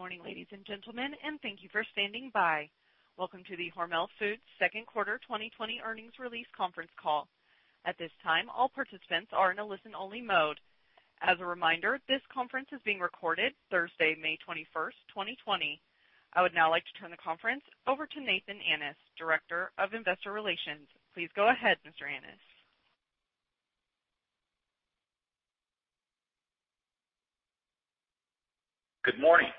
Good morning, ladies and gentlemen, and thank you for standing by. Welcome to the Hormel Foods Second Quarter 2020 Earnings Release Conference Call. At this time, all participants are in a listen-only mode. As a reminder, this conference is being recorded Thursday, May 21, 2020. I would now like to turn the conference over to Nathan Annis, Director of Investor Relations. Please go ahead, Mr. Annis. Good morning.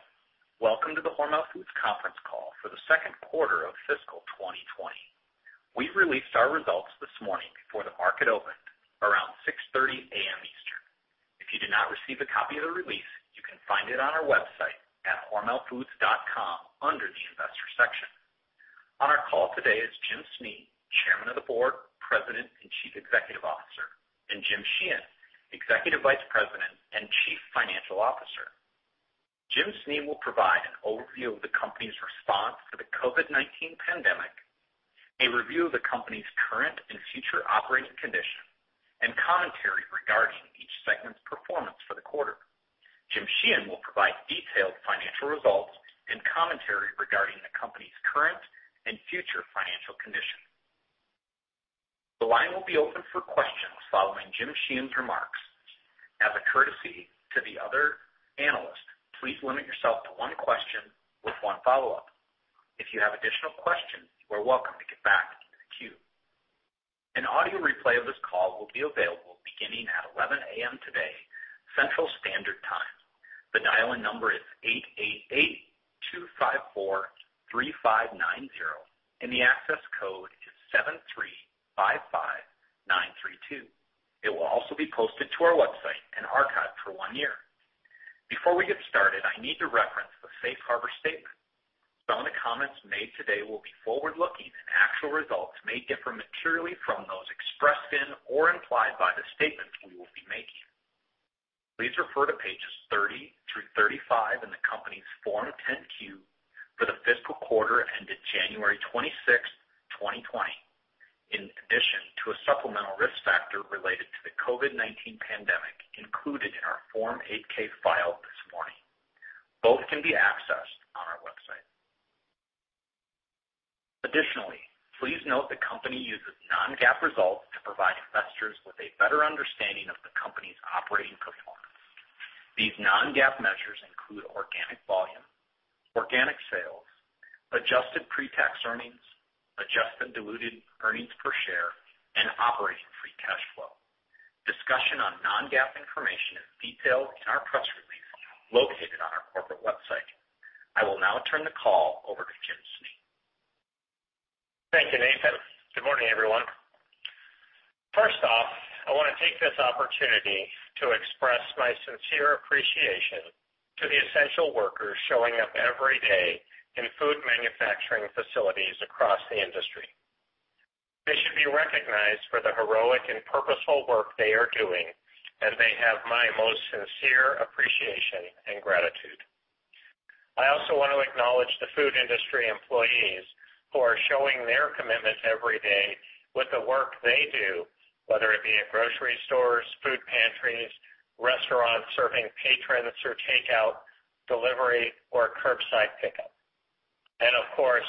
Welcome to the Hormel Foods Conference Call for the Second Quarter of Fiscal 2020. We released our results this morning before the market opened, around 6:30 A.M. Eastern. If you did not receive a copy of the release, you can find it on our website at hormelfoods.com under the Investor section. On our call today is Jim Snee, Chairman of the Board, President and Chief Executive Officer, and Jim Sheehan, Executive Vice President and Chief Financial Officer. Jim Snee will provide an overview of the company's response to the COVID-19 pandemic, a review of the company's current and future operating condition, and commentary regarding each segment's performance for the quarter. Jim Sheehan will provide detailed financial results and commentary regarding the companys current and future financial condition. The line will be open for questions following Jim Sheehan's remarks. As a courtesy to the other analysts, please limit yourself to one question with one follow-up. If you have additional questions, you are welcome to get back into the queue. An audio replay of this call will be available beginning at 11:00 A.M. today, Central Standard Time. The dial-in number is 888-254-3590, and the access code is 7355932. It will also be posted to our website and archived for one year. Before we get started, I need to reference the Safe Harbor Statement. Some of the comments made today will be forward-looking, and actual results may differ materially from those expressed in or implied by the statements we will be making. Please refer to pages 30 through 35 in the company's Form 10-Q for the fiscal quarter ended January 26, 2020, in addition to a supplemental risk factor related to the COVID-19 pandemic included in our Form 8-K filed this morning. Both can be accessed on our website. Additionally, please note the company uses non-GAAP results to provide investors with a better understanding of the company's operating performance. These non-GAAP measures include organic volume, organic sales, adjusted pre-tax earnings, adjusted diluted earnings per share, and operating free cash flow. Discussion on non-GAAP information is detailed in our press release located on our corporate website. I will now turn the call over to Jim Snee. Thank you, Nathan. Good morning, everyone. First off, I want to take this opportunity to express my sincere appreciation to the essential workers showing up every day in food manufacturing facilities across the industry. They should be recognized for the heroic and purposeful work they are doing, and they have my most sincere appreciation and gratitude. I also want to acknowledge the food industry employees who are showing their commitment every day with the work they do, whether it be at grocery stores, food pantries, restaurants serving patrons through takeout, delivery, or curbside pickup. Of course,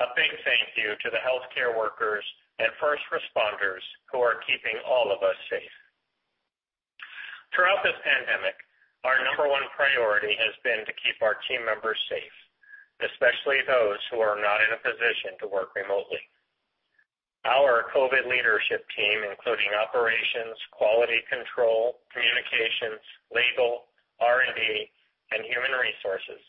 a big thank you to the healthcare workers and first responders who are keeping all of us safe. Throughout this pandemic, our number one priority has been to keep our team members safe, especially those who are not in a position to work remotely. Our COVID leadership team, including operations, quality control, communications, legal, R&D, and human resources,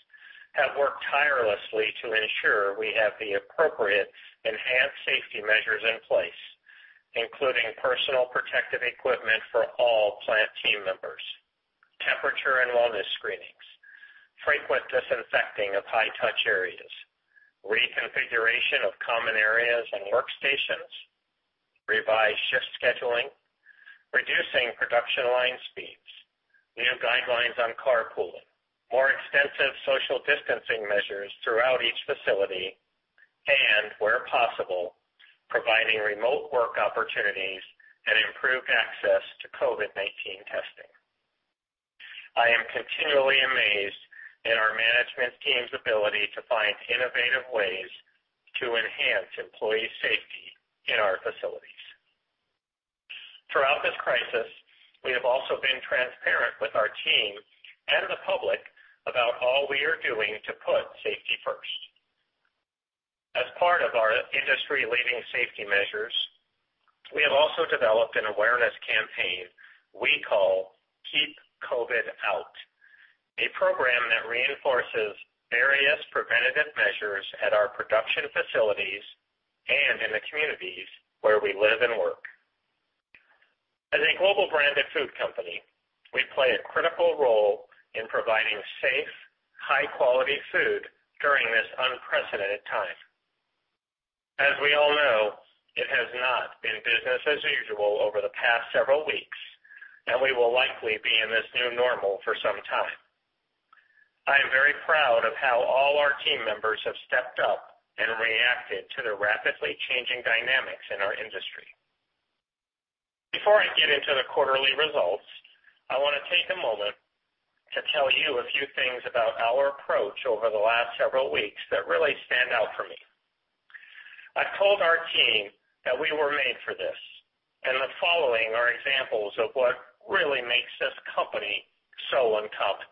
have worked tirelessly to ensure we have the appropriate enhanced safety measures in place, including personal protective equipment for all plant team members, temperature and wellness screenings, frequent disinfecting of high-touch areas, reconfiguration of common areas and workstations, revised shift scheduling, reducing production line speeds, new guidelines on carpooling, more extensive social distancing measures throughout each facility, and, where possible, providing remote work opportunities and improved access to COVID-19 testing. I am continually amazed at our management team's ability to find innovative ways to enhance employee safety in our facilities. Throughout this crisis, we have also been transparent with our team and the public about all we are doing to put safety first. As part of our industry-leading safety measures, we have also developed an awareness campaign we call Keep COVID Out, a program that reinforces various preventative measures at our production facilities and in the communities where we live and work. As a global branded food company, we play a critical role in providing safe, high-quality food during this unprecedented time. As we all know, it has not been business as usual over the past several weeks, and we will likely be in this new normal for some time. I am very proud of how all our team members have stepped up and reacted to the rapidly changing dynamics in our industry. Before I get into the quarterly results, I want to take a moment to tell you a few things about our approach over the last several weeks that really stand out for me. I've told our team that we were made for this, and the following are examples of what really makes this company so uncommon.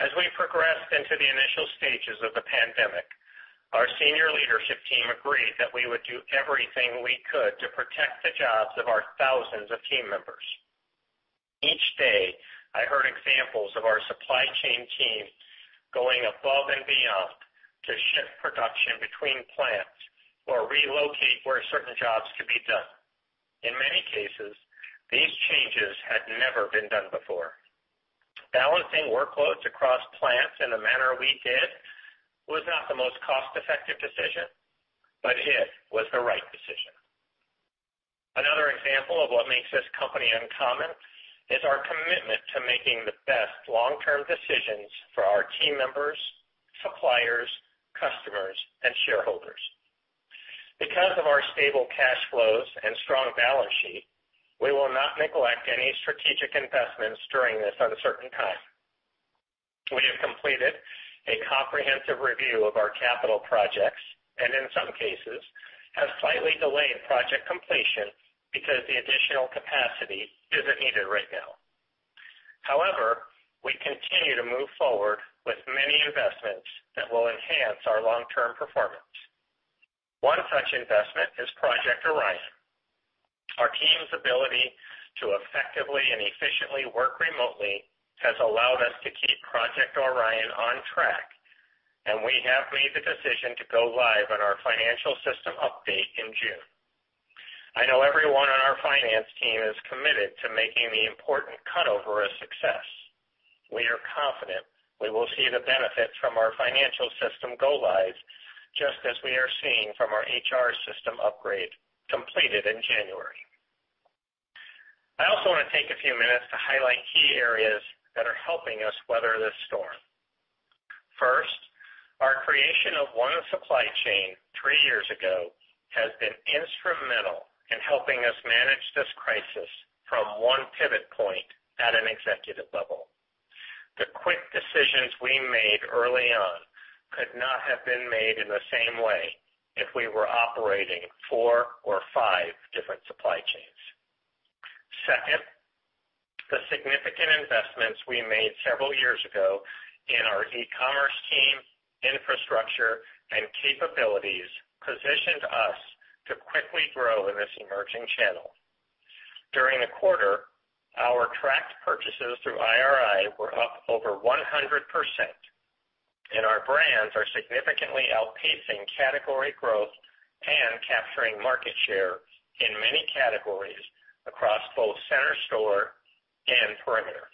As we progressed into the initial stages of the pandemic, our senior leadership team agreed that we would do everything we could to protect the jobs of our thousands of team members. Each day, I heard examples of our supply chain team going above and beyond to shift production between plants or relocate where certain jobs could be done. In many cases, these changes had never been done before. Balancing workloads across plants in the manner we did was not the most cost-effective decision, but it was the right decision. Another example of what makes this company uncommon is our commitment to making the best long-term decisions for our team members, suppliers, customers, and shareholders. Because of our stable cash flows and strong balance sheet, we will not neglect any strategic investments during this uncertain time. We have completed a comprehensive review of our capital projects and, in some cases, have slightly delayed project completion because the additional capacity is not needed right now. However, we continue to move forward with many investments that will enhance our long-term performance. One such investment is Project Orion. Our team's ability to effectively and efficiently work remotely has allowed us to keep Project Orion on track, and we have made the decision to go live on our financial system update in June. I know everyone on our finance team is committed to making the important cutover a success. We are confident we will see the benefits from our financial system go live, just as we are seeing from our HR system upgrade completed in January. I also want to take a few minutes to highlight key areas that are helping us weather this storm. First, our creation of one supply chain three years ago has been instrumental in helping us manage this crisis from one pivot point at an executive level. The quick decisions we made early on could not have been made in the same way if we were operating four or five different supply chains. Second, the significant investments we made several years ago in our e-commerce team, infrastructure, and capabilities positioned us to quickly grow in this emerging channel. During the quarter, our tracked purchases through IRI were up over 100%, and our brands are significantly outpacing category growth and capturing market share in many categories across both center store and perimeter.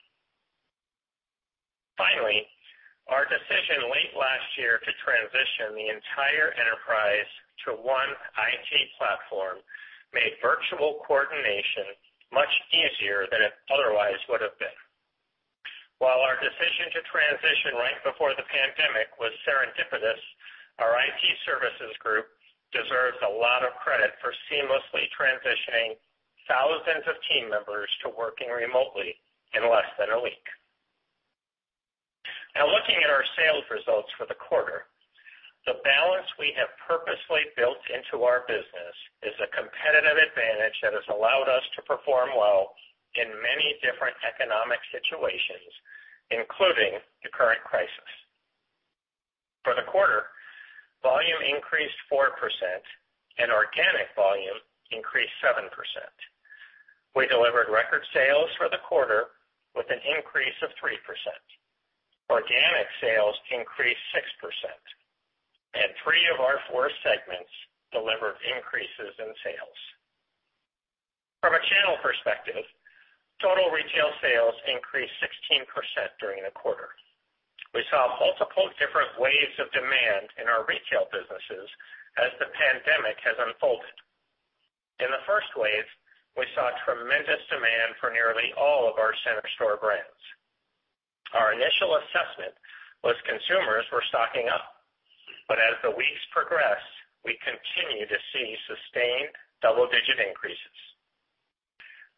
Finally, our decision late last year to transition the entire enterprise to one IT platform made virtual coordination much easier than it otherwise would have been. While our decision to transition right before the pandemic was serendipitous, our IT services group deserves a lot of credit for seamlessly transitioning thousands of team members to working remotely in less than a week. Now, looking at our sales results for the quarter, the balance we have purposely built into our business is a competitive advantage that has allowed us to perform well in many different economic situations, including the current crisis. For the quarter, volume increased 4%, and organic volume increased 7%. We delivered record sales for the quarter with an increase of 3%. Organic sales increased 6%, and three of our four segments delivered increases in sales. From a channel perspective, total retail sales increased 16% during the quarter. We saw multiple different waves of demand in our retail businesses as the pandemic has unfolded. In the first wave, we saw tremendous demand for nearly all of our center store brands. Our initial assessment was consumers were stocking up, but as the weeks progressed, we continued to see sustained double-digit increases.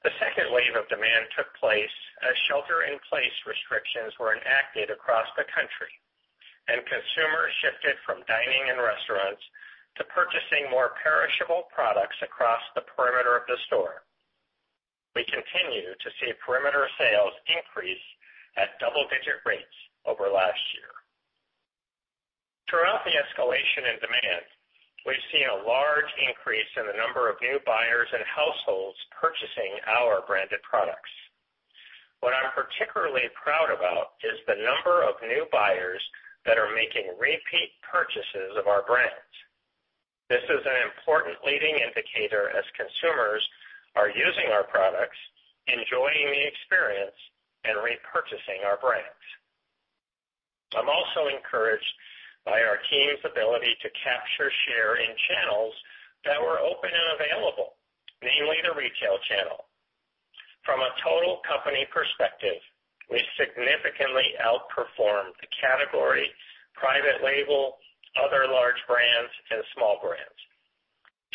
The second wave of demand took place as shelter-in-place restrictions were enacted across the country, and consumers shifted from dining and restaurants to purchasing more perishable products across the perimeter of the store. We continue to see perimeter sales increase at double-digit rates over last year. Throughout the escalation in demand, we've seen a large increase in the number of new buyers and households purchasing our branded products. What I'm particularly proud about is the number of new buyers that are making repeat purchases of our brands. This is an important leading indicator as consumers are using our products, enjoying the experience, and repurchasing our brands. I'm also encouraged by our teams ability to capture share in channels that were open and available, namely the retail channel. From a total company perspective, we significantly outperformed the category, private label, other large brands, and small brands.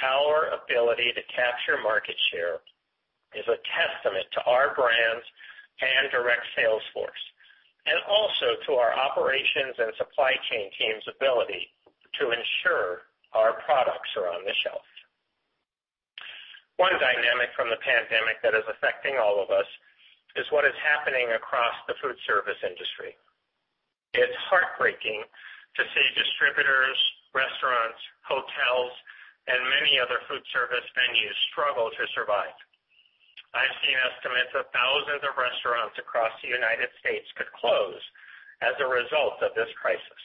Our ability to capture market share is a testament to our brands and direct sales force, and also to our operations and supply chain team's ability to ensure our products are on the shelf. One dynamic from the pandemic that is affecting all of us is what is happening across the food service industry. It's heartbreaking to see distributors, restaurants, hotels, and many other food service venues struggle to survive. I've seen estimates of thousands of restaurants across the United States could close as a result of this crisis.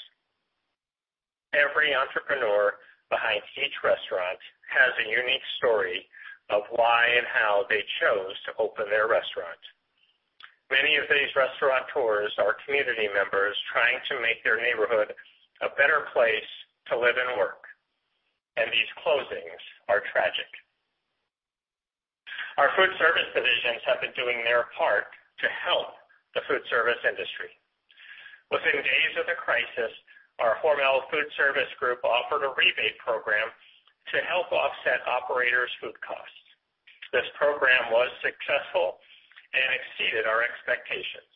Every entrepreneur behind each restaurant has a unique story of why and how they chose to open their restaurant. Many of these restaurateurs are community members trying to make their neighborhood a better place to live and work, and these closings are tragic. Our food service divisions have been doing their part to help the food service industry. Within days of the crisis, our Hormel Food Service Group offered a rebate program to help offset operators' food costs. This program was successful and exceeded our expectations.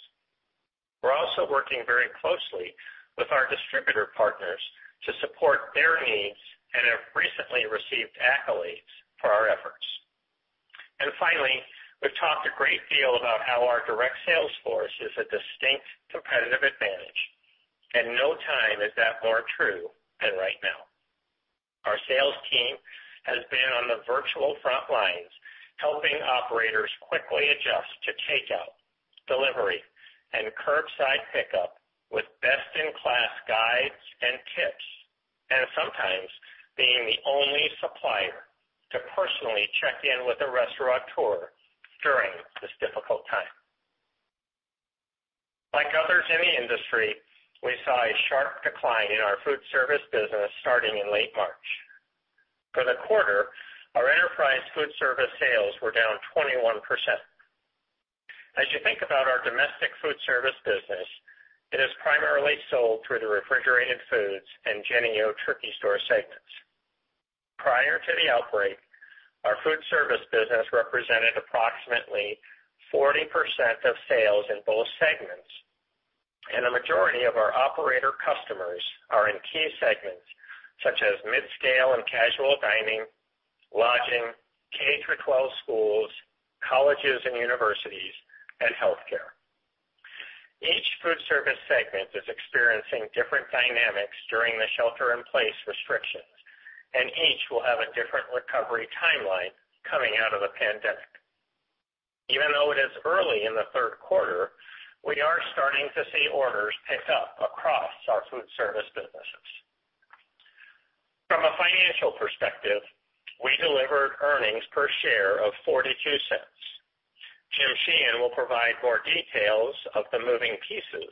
We are also working very closely with our distributor partners to support their needs and have recently received accolades for our efforts. Finally, we have talked a great deal about how our direct sales force is a distinct competitive advantage, and no time is that more true than right now. Our sales team has been on the virtual front lines helping operators quickly adjust to takeout, delivery, and curbside pickup with best-in-class guides and tips, and sometimes being the only supplier to personally check in with a restaurateur during this difficult time. Like others in the industry, we saw a sharp decline in our food service business starting in late March. For the quarter, our enterprise food service sales were down 21%. As you think about our domestic food service business, it is primarily sold through the refrigerated foods and Jennie-O Turkey Store segments. Prior to the outbreak, our food service business represented approximately 40% of sales in both segments, and the majority of our operator customers are in key segments such as mid-scale and casual dining, lodging, K through 12 schools, colleges and universities, and healthcare. Each food service segment is experiencing different dynamics during the shelter-in-place restrictions, and each will have a different recovery timeline coming out of the pandemic. Even though it is early in the third quarter, we are starting to see orders pick up across our food service businesses. From a financial perspective, we delivered earnings per share of $0.42. Jim Sheehan will provide more details of the moving pieces,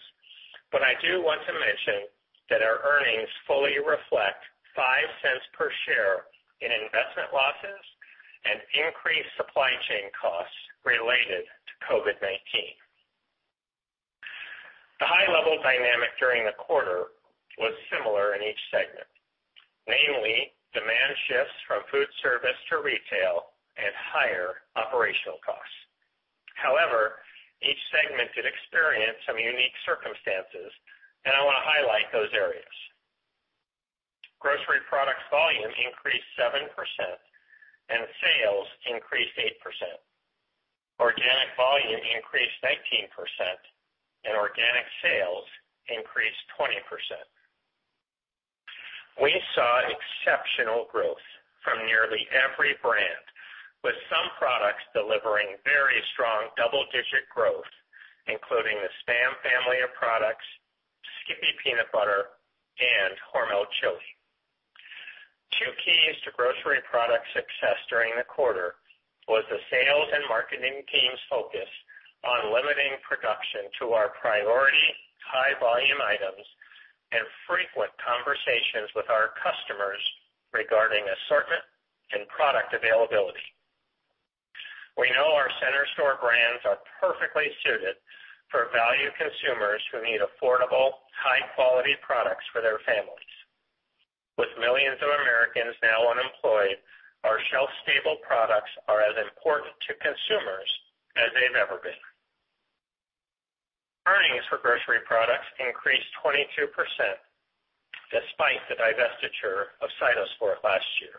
but I do want to mention that our earnings fully reflect $0.05 per share in investment losses and increased supply chain costs related to COVID-19. The high-level dynamic during the quarter was similar in each segment, namely demand shifts from food service to retail and higher operational costs. However, each segment did experience some unique circumstances, and I want to highlight those areas. Grocery products volume increased 7%, and sales increased 8%. Organic volume increased 19%, and organic sales increased 20%. We saw exceptional growth from nearly every brand, with some products delivering very strong double-digit growth, including the SPAM family of products, Skippy Peanut Butter, and Hormel Chili. Two keys to grocery product success during the quarter were the sales and marketing team's focus on limiting production to our priority high-volume items and frequent conversations with our customers regarding assortment and product availability. We know our center store brands are perfectly suited for value consumers who need affordable, high-quality products for their families. With millions of Americans now unemployed, our shelf-stable products are as important to consumers as they've ever been. Earnings for grocery products increased 22% despite the divestiture of CytoSport last year.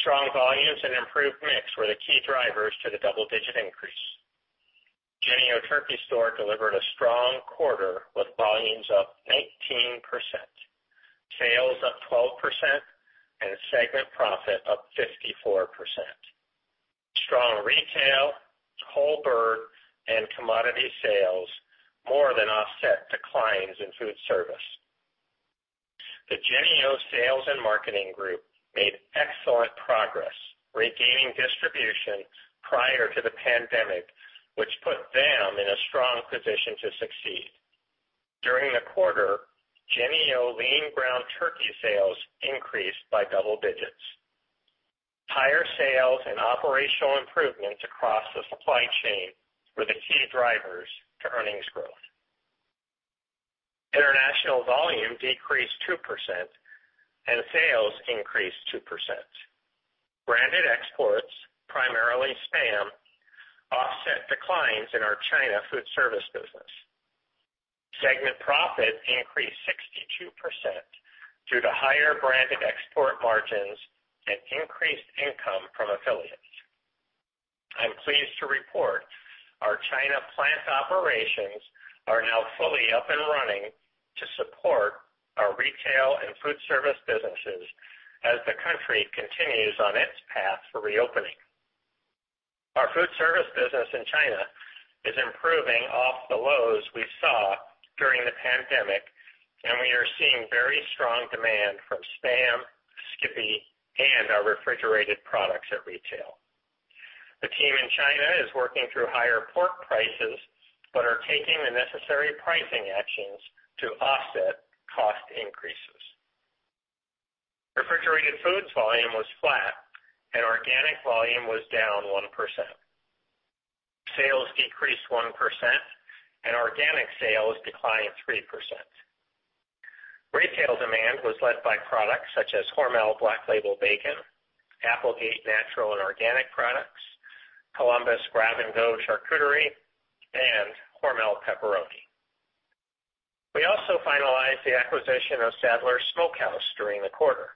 Strong volumes and improved mix were the key drivers to the double-digit increase. Jennie-O Turkey Store delivered a strong quarter with volumes up 19%, sales up 12%, and segment profit up 54%. Strong retail, whole bird, and commodity sales more than offset declines in food service. The Jennie-O sales and marketing group made excellent progress regaining distribution prior to the pandemic, which put them in a strong position to succeed. During the quarter, Jennie-O Lean Ground Turkey sales increased by double digits. Higher sales and operational improvements across the supply chain were the key drivers to earnings growth. International volume decreased 2%, and sales increased 2%. Branded exports, primarily SPAM, offset declines in our China food service business. Segment profit increased 62% due to higher branded export margins and increased income from affiliates. I'm pleased to report our China plant operations are now fully up and running to support our retail and food service businesses as the country continues on its path for reopening. Our food service business in China is improving off the lows we saw during the pandemic, and we are seeing very strong demand from SPAM, Skippy, and our refrigerated products at retail. The team in China is working through higher pork prices but is taking the necessary pricing actions to offset cost increases. Refrigerated foods volume was flat, and organic volume was down 1%. Sales decreased 1%, and organic sales declined 3%. Retail demand was led by products such as Hormel Black Label Bacon, Applegate Natural and Organic Products, Columbus Grab and Go Charcuterie, and Hormel Pepperoni. We also finalized the acquisition of Sadler's Smokehouse during the quarter.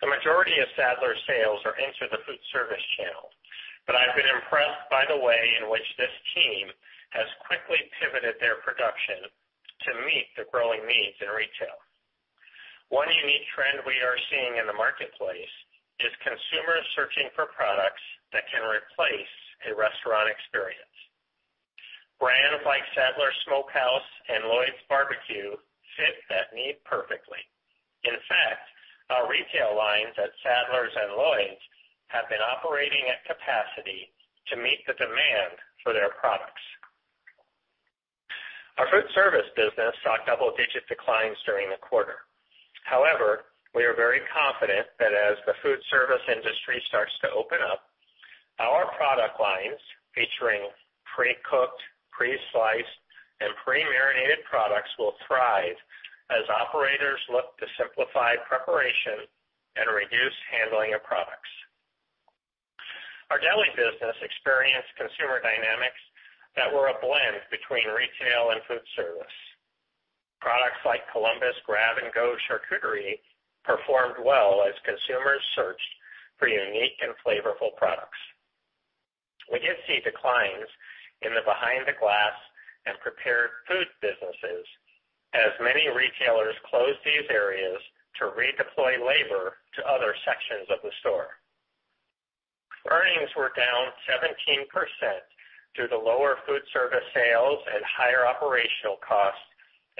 The majority of Sadler's sales are into the food service channel, but I've been impressed by the way in which this team has quickly pivoted their production to meet the growing needs in retail. One unique trend we are seeing in the marketplace is consumers searching for products that can replace a restaurant experience. Brands like Sadler's Smokehouse and Lloyd's Barbecue fit that need perfectly. In fact, our retail lines at Sadler's and Lloyd's have been operating at capacity to meet the demand for their products. Our food service business saw double-digit declines during the quarter. However, we are very confident that as the food service industry starts to open up, our product lines featuring pre-cooked, pre-sliced, and pre-marinated products will thrive as operators look to simplify preparation and reduce handling of products. Our deli business experienced consumer dynamics that were a blend between retail and food service. Products like Columbus Grab and Go Charcuterie performed well as consumers searched for unique and flavorful products. We did see declines in the behind-the-glass and prepared food businesses as many retailers closed these areas to redeploy labor to other sections of the store. Earnings were down 17% due to lower food service sales and higher operational costs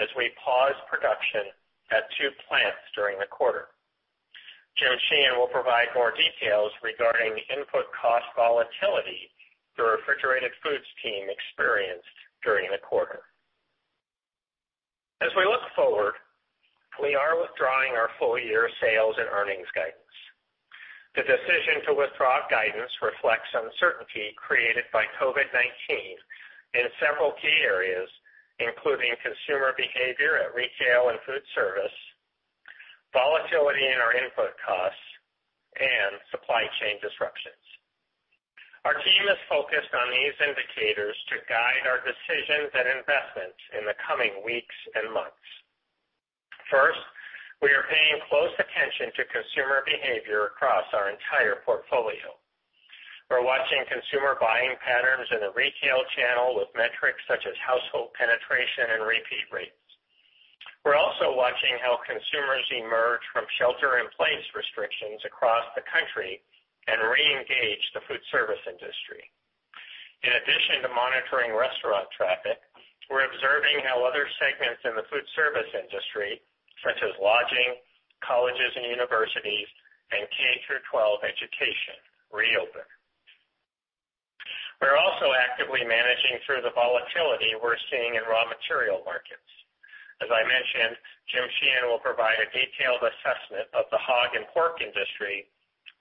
as we paused production at two plants during the quarter. Jim Sheehan will provide more details regarding input cost volatility the refrigerated foods team experienced during the quarter. As we look forward, we are withdrawing our full-year sales and earnings guidance. The decision to withdraw guidance reflects uncertainty created by COVID-19 in several key areas, including consumer behavior at retail and food service, volatility in our input costs, and supply chain disruptions. Our team is focused on these indicators to guide our decisions and investments in the coming weeks and months. First, we are paying close attention to consumer behavior across our entire portfolio. We're watching consumer buying patterns in the retail channel with metrics such as household penetration and repeat rates. We're also watching how consumers emerge from shelter-in-place restrictions across the country and re-engage the food service industry. In addition to monitoring restaurant traffic, we're observing how other segments in the food service industry, such as lodging, colleges and universities, and K through 12 education, reopen. We're also actively managing through the volatility we're seeing in raw material markets. As I mentioned, Jim Sheehan will provide a detailed assessment of the hog and pork industry,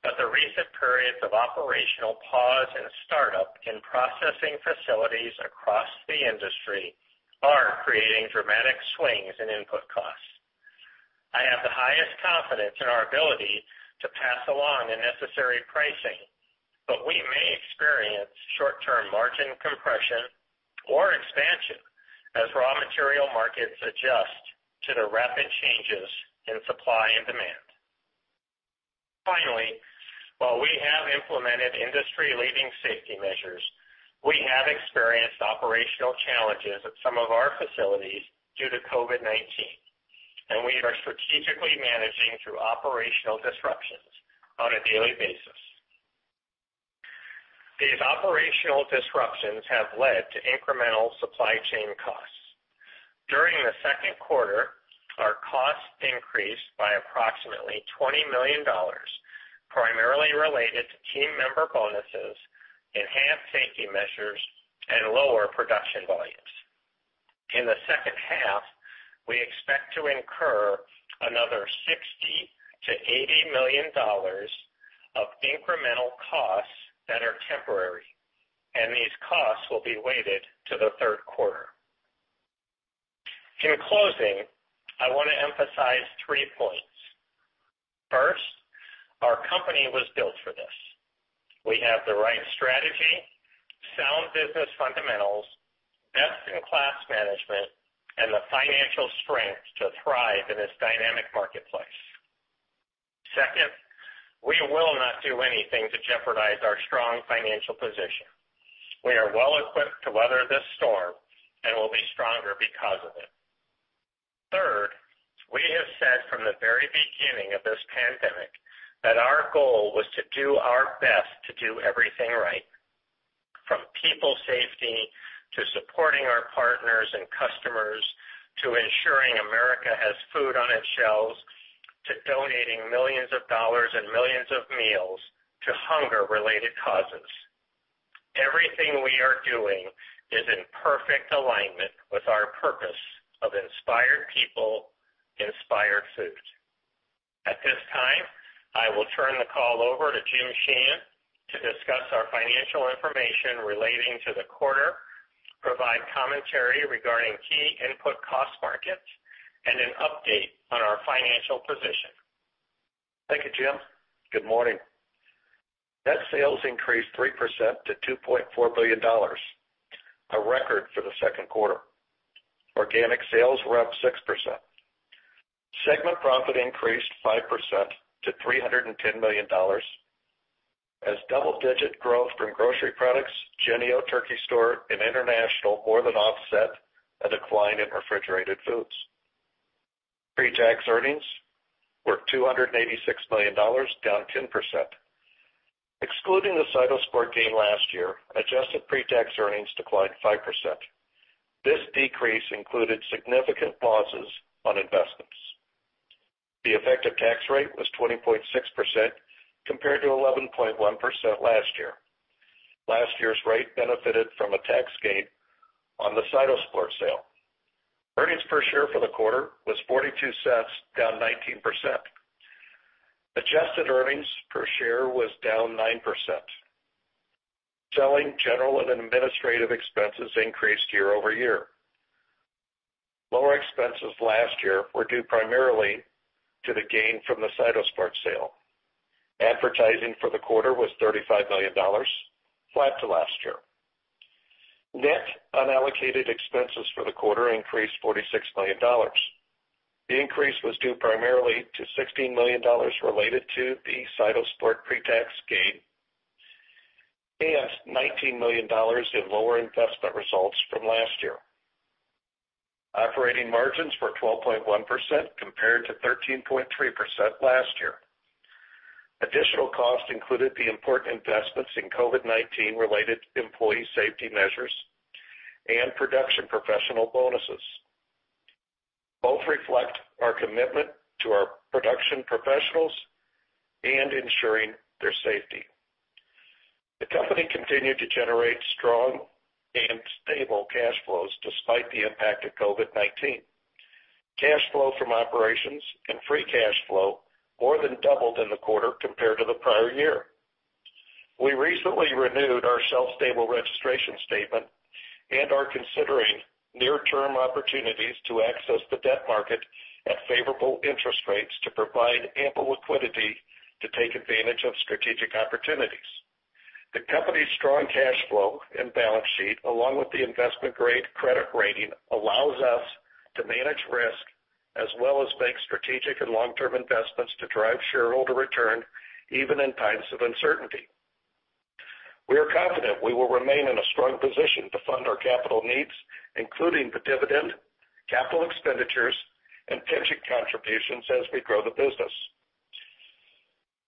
but the recent periods of operational pause and startup in processing facilities across the industry are creating dramatic swings in input costs. I have the highest confidence in our ability to pass along the necessary pricing, but we may experience short-term margin compression or expansion as raw material markets adjust to the rapid changes in supply and demand. Finally, while we have implemented industry-leading safety measures, we have experienced operational challenges at some of our facilities due to COVID-19, and we are strategically managing through operational disruptions on a daily basis. These operational disruptions have led to incremental supply chain costs. During the second quarter, our costs increased by approximately $20 million, primarily related to team member bonuses, enhanced safety measures, and lower production volumes. In the second half, we expect to incur another $60-$80 million of incremental costs that are temporary, and these costs will be weighted to the third quarter. In closing, I want to emphasize three points. First, our company was built for this. We have the right strategy, sound business fundamentals, best-in-class management, and the financial strength to thrive in this dynamic marketplace. Second, we will not do anything to jeopardize our strong financial position. We are well equipped to weather this storm and will be stronger because of it. Third, we have said from the very beginning of this pandemic that our goal was to do our best to do everything right, from people safety to supporting our partners and customers to ensuring America has food on its shelves to donating millions of dollars and millions of meals to hunger-related causes. Everything we are doing is in perfect alignment with our purpose of inspired people, inspired food. At this time, I will turn the call over to Jim Sheehan to discuss our financial information relating to the quarter, provide commentary regarding key input cost markets, and an update on our financial position. Thank you, Jim. Good morning. Net sales increased 3% to $2.4 billion, a record for the second quarter. Organic sales were up 6%. Segment profit increased 5% to $310 million, as double-digit growth from grocery products, Jennie-O Turkey Store, and international more than offset a decline in refrigerated foods. Pre-tax earnings were $286 million, down 10%. Excluding the CytoSport gain last year, adjusted pre-tax earnings declined 5%. This decrease included significant losses on investments. The effective tax rate was 20.6% compared to 11.1% last year. Last year's rate benefited from a tax gain on the CytoSport sale. Earnings per share for the quarter was $0.42, down 19%. Adjusted earnings per share was down 9%. Selling, general, and administrative expenses increased year over year. Lower expenses last year were due primarily to the gain from the CytoSport sale. Advertising for the quarter was $35 million, flat to last year. Net unallocated expenses for the quarter increased $46 million. The increase was due primarily to $16 million related to the CytoSport pre-tax gain and $19 million in lower investment results from last year. Operating margins were 12.1% compared to 13.3% last year. Additional costs included the important investments in COVID-19-related employee safety measures and production professional bonuses. Both reflect our commitment to our production professionals and ensuring their safety. The company continued to generate strong and stable cash flows despite the impact of COVID-19. Cash flow from operations and free cash flow more than doubled in the quarter compared to the prior year. We recently renewed our shelf-stable registration statement and are considering near-term opportunities to access the debt market at favorable interest rates to provide ample liquidity to take advantage of strategic opportunities. The company's strong cash flow and balance sheet, along with the investment-grade credit rating, allows us to manage risk as well as make strategic and long-term investments to drive shareholder return even in times of uncertainty. We are confident we will remain in a strong position to fund our capital needs, including the dividend, capital expenditures, and pension contributions as we grow the business.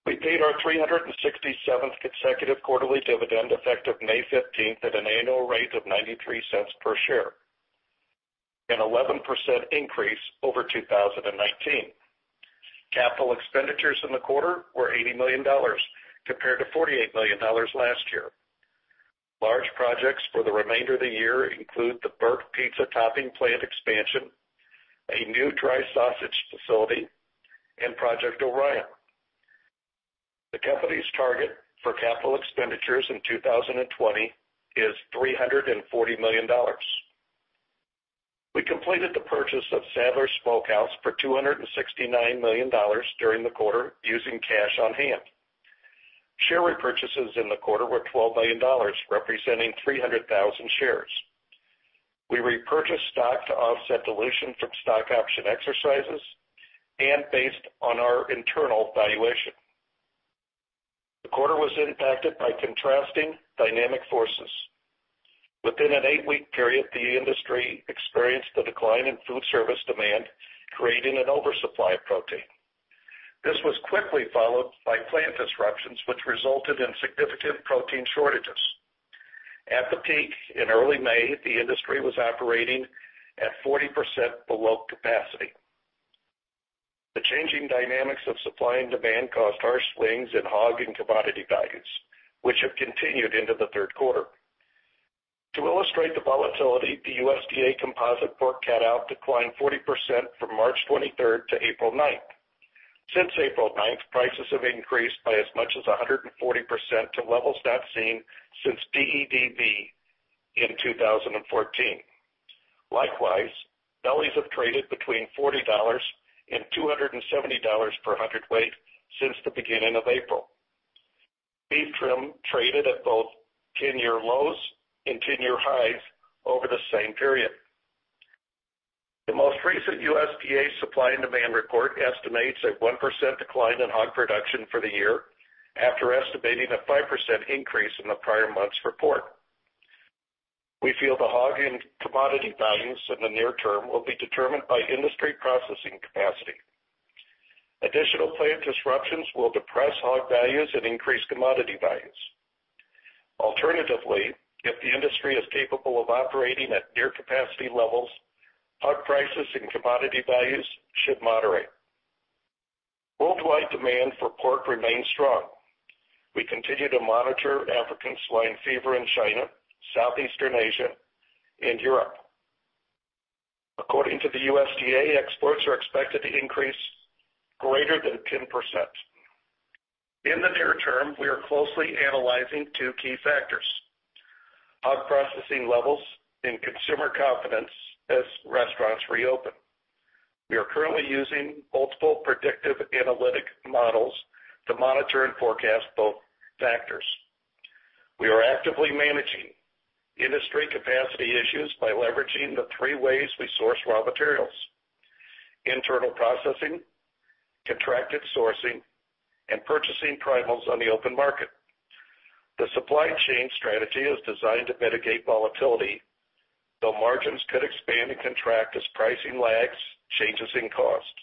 We paid our 367th consecutive quarterly dividend effective May 15th at an annual rate of $0.93 per share, an 11% increase over 2019. Capital expenditures in the quarter were $80 million compared to $48 million last year. Large projects for the remainder of the year include the Burke Pizza Topping Plant expansion, a new dry sausage facility, and Project Orion. The company's target for capital expenditures in 2020 is $340 million. We completed the purchase of Sadler's Smokehouse for $269 million during the quarter using cash on hand. Share repurchases in the quarter were $12 million, representing 300,000 shares. We repurchased stock to offset dilution from stock option exercises and based on our internal valuation. The quarter was impacted by contrasting dynamic forces. Within an eight-week period, the industry experienced a decline in food service demand, creating an oversupply of protein. This was quickly followed by plant disruptions, which resulted in significant protein shortages. At the peak in early May, the industry was operating at 40% below capacity. The changing dynamics of supply and demand caused harsh swings in hog and commodity values, which have continued into the third quarter. To illustrate the volatility, the USDA Composite Pork Cut Out declined 40% from March 23rd to April 9th. Since April 9th, prices have increased by as much as 140% to levels not seen since 2014. Likewise, bellies have traded between $40 and $270 per hundredweight since the beginning of April. Beef trim traded at both 10-year lows and 10-year highs over the same period. The most recent USDA supply and demand report estimates a 1% decline in hog production for the year after estimating a 5% increase in the prior month's report. We feel the hog and commodity values in the near term will be determined by industry processing capacity. Additional plant disruptions will depress hog values and increase commodity values. Alternatively, if the industry is capable of operating at near-capacity levels, hog prices and commodity values should moderate. Worldwide demand for pork remains strong. We continue to monitor African swine fever in China, Southeastern Asia, and Europe. According to the USDA, exports are expected to increase greater than 10%. In the near term, we are closely analyzing two key factors: hog processing levels and consumer confidence as restaurants reopen. We are currently using multiple predictive analytic models to monitor and forecast both factors. We are actively managing industry capacity issues by leveraging the three ways we source raw materials: internal processing, contracted sourcing, and purchasing primals on the open market. The supply chain strategy is designed to mitigate volatility, though margins could expand and contract as pricing lags, changes in cost.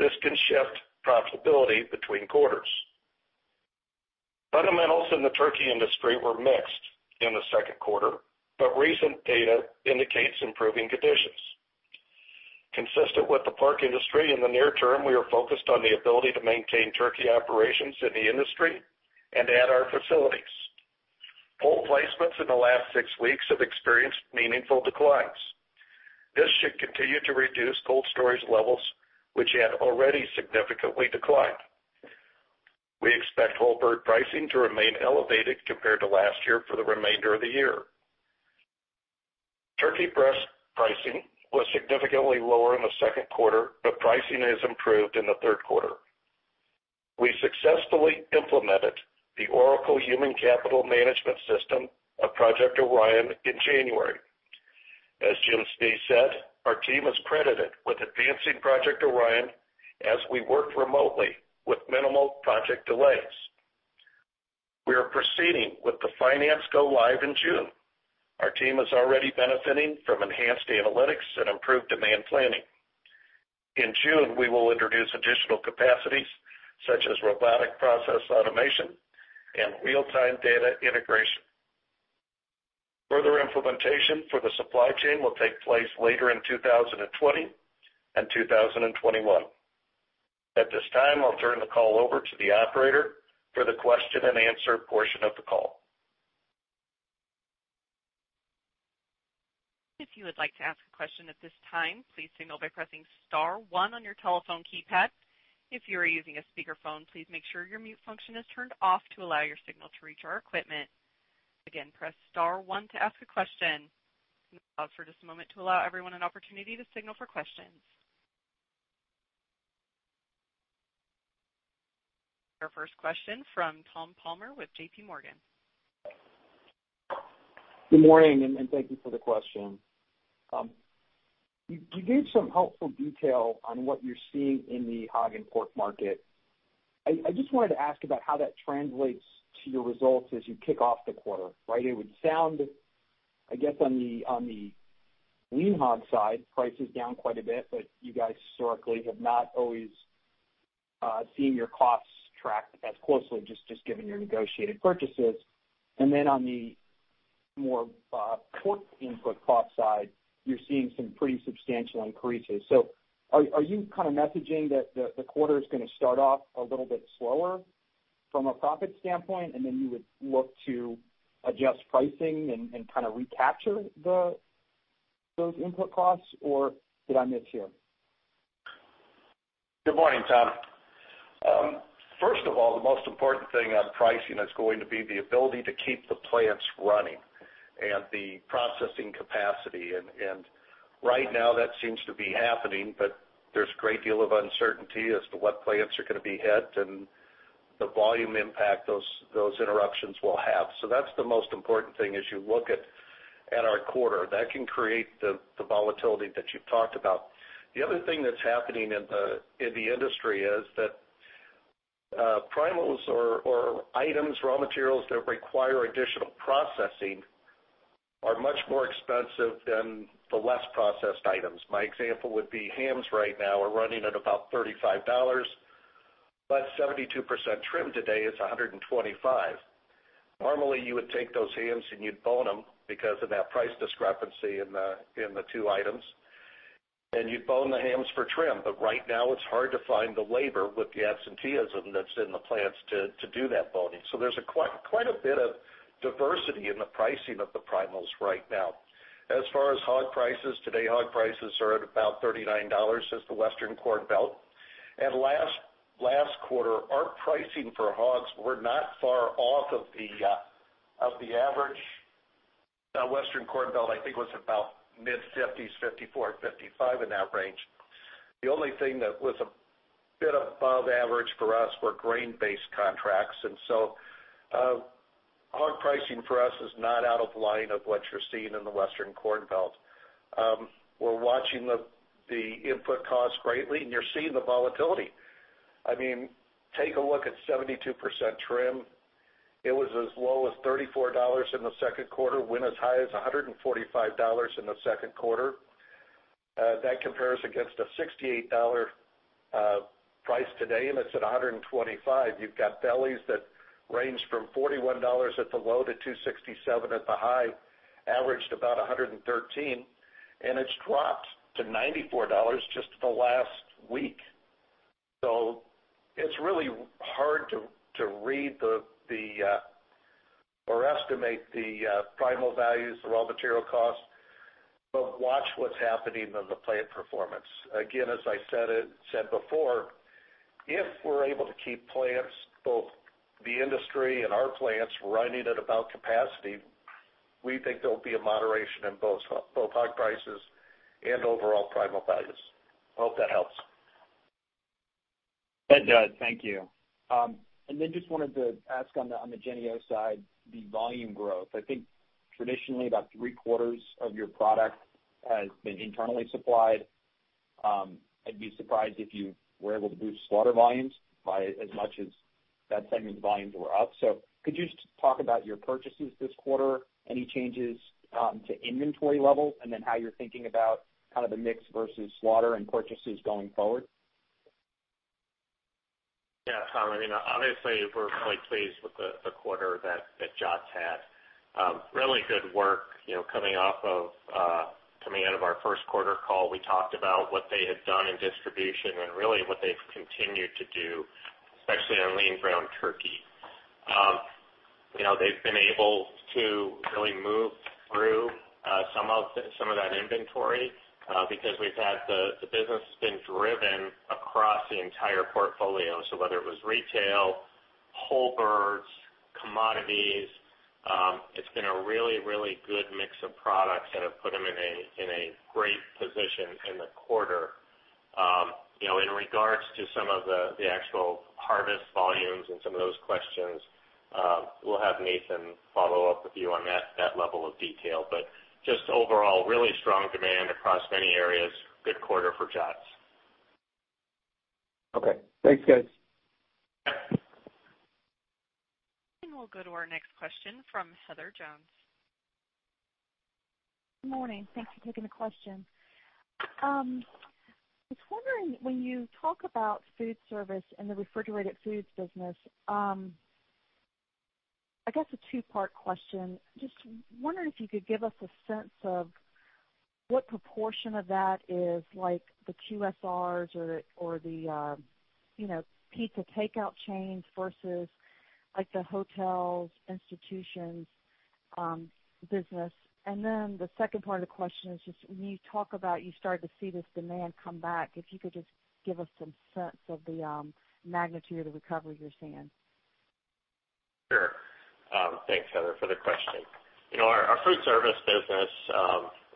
This can shift profitability between quarters. Fundamentals in the turkey industry were mixed in the second quarter, but recent data indicates improving conditions. Consistent with the pork industry, in the near term, we are focused on the ability to maintain turkey operations in the industry and add our facilities. Whole placements in the last six weeks have experienced meaningful declines. This should continue to reduce cold storage levels, which had already significantly declined. We expect whole bird pricing to remain elevated compared to last year for the remainder of the year. Turkey breast pricing was significantly lower in the second quarter, but pricing has improved in the third quarter. We successfully implemented the Oracle Human Capital Management System of Project Orion in January. As Jim Snee said, our team is credited with advancing Project Orion as we worked remotely with minimal project delays. We are proceeding with the Finance Go Live in June. Our team is already benefiting from enhanced analytics and improved demand planning. In June, we will introduce additional capacities such as robotic process automation and real-time data integration. Further implementation for the supply chain will take place later in 2020 and 2021. At this time, I'll turn the call over to the operator for the question and answer portion of the call. If you would like to ask a question at this time, please signal by pressing Star one on your telephone keypad. If you are using a speakerphone, please make sure your mute function is turned off to allow your signal to reach our equipment. Again, press Star one to ask a question. I'll ask for just a moment to allow everyone an opportunity to signal for questions. Our first question from Tom Palmer with J.P. Morgan. Good morning, and thank you for the question. You gave some helpful detail on what you're seeing in the hog and pork market. I just wanted to ask about how that translates to your results as you kick off the quarter. It would sound, I guess, on the lean hog side, prices down quite a bit, but you guys historically have not always seen your costs tracked as closely, just given your negotiated purchases. On the more pork input cost side, you're seeing some pretty substantial increases. Are you kind of messaging that the quarter is going to start off a little bit slower from a profit standpoint, and you would look to adjust pricing and kind of recapture those input costs, or did I miss here? Good morning, Tom. First of all, the most important thing on pricing is going to be the ability to keep the plants running and the processing capacity. Right now, that seems to be happening, but there's a great deal of uncertainty as to what plants are going to be hit and the volume impact those interruptions will have. That's the most important thing as you look at our quarter. That can create the volatility that you've talked about. The other thing that's happening in the industry is that primals or items, raw materials that require additional processing are much more expensive than the less processed items. My example would be hams right now are running at about $35, but 72% trim today is $125. Normally, you would take those hams and you'd bone them because of that price discrepancy in the two items, and you'd bone the hams for trim. Right now, it's hard to find the labor with the absenteeism that's in the plants to do that boning. There's quite a bit of diversity in the pricing of the primals right now. As far as hog prices, today, hog prices are at about $39 as the Western Corn Belt. Last quarter, our pricing for hogs were not far off of the average. Western Corn Belt, I think, was about mid-50s, $54-$55 in that range. The only thing that was a bit above average for us were grain-based contracts. Hog pricing for us is not out of line of what you're seeing in the Western Corn Belt. We're watching the input costs greatly, and you're seeing the volatility. I mean, take a look at 72% trim. It was as low as $34 in the second quarter, went as high as $145 in the second quarter. That compares against a $68 price today, and it's at $125. You've got bellies that range from $41 at the low to $267 at the high, averaged about $113, and it's dropped to $94 just in the last week. It is really hard to read or estimate the primal values, the raw material costs, but watch what is happening in the plant performance. Again, as I said before, if we are able to keep plants, both the industry and our plants, running at about capacity, we think there will be a moderation in both hog prices and overall primal values. I hope that helps. That does. Thank you. I just wanted to ask on the Jennie-O side, the volume growth. I think traditionally about three-quarters of your product has been internally supplied. I would be surprised if you were able to boost slaughter volumes by as much as that segment of volumes were up. Could you just talk about your purchases this quarter, any changes to inventory levels, and how you are thinking about the mix versus slaughter and purchases going forward? Yeah, Tom. I mean, obviously, we're quite pleased with the quarter that Jennie-O's had. Really good work coming out of our first quarter call. We talked about what they had done in distribution and really what they've continued to do, especially on lean ground turkey. They've been able to really move through some of that inventory because the business has been driven across the entire portfolio. Whether it was retail, whole birds, commodities, it's been a really, really good mix of products that have put them in a great position in the quarter. In regards to some of the actual harvest volumes and some of those questions, we'll have Nathan follow up with you on that level of detail. Just overall, really strong demand across many areas. Good quarter for Jennie-O. Okay. Thanks, guys. We'll go to our next question from Heather Jones. Good morning. Thanks for taking the question. Just wondering, when you talk about food service and the refrigerated foods business, I guess a two-part question. Just wondering if you could give us a sense of what proportion of that is the QSRs or the pizza takeout chains versus the hotels, institutions, business. The second part of the question is just when you talk about you started to see this demand come back, if you could just give us some sense of the magnitude of the recovery you're seeing. Sure. Thanks, Heather, for the question. Our food service business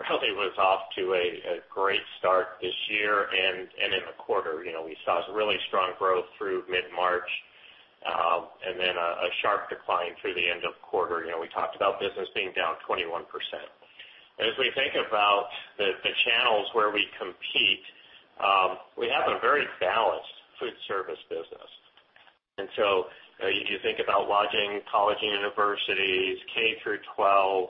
really was off to a great start this year, and in the quarter, we saw really strong growth through mid-March and then a sharp decline through the end of the quarter. We talked about business being down 21%. As we think about the channels where we compete, we have a very balanced food service business. You think about lodging, college universities, K through 12,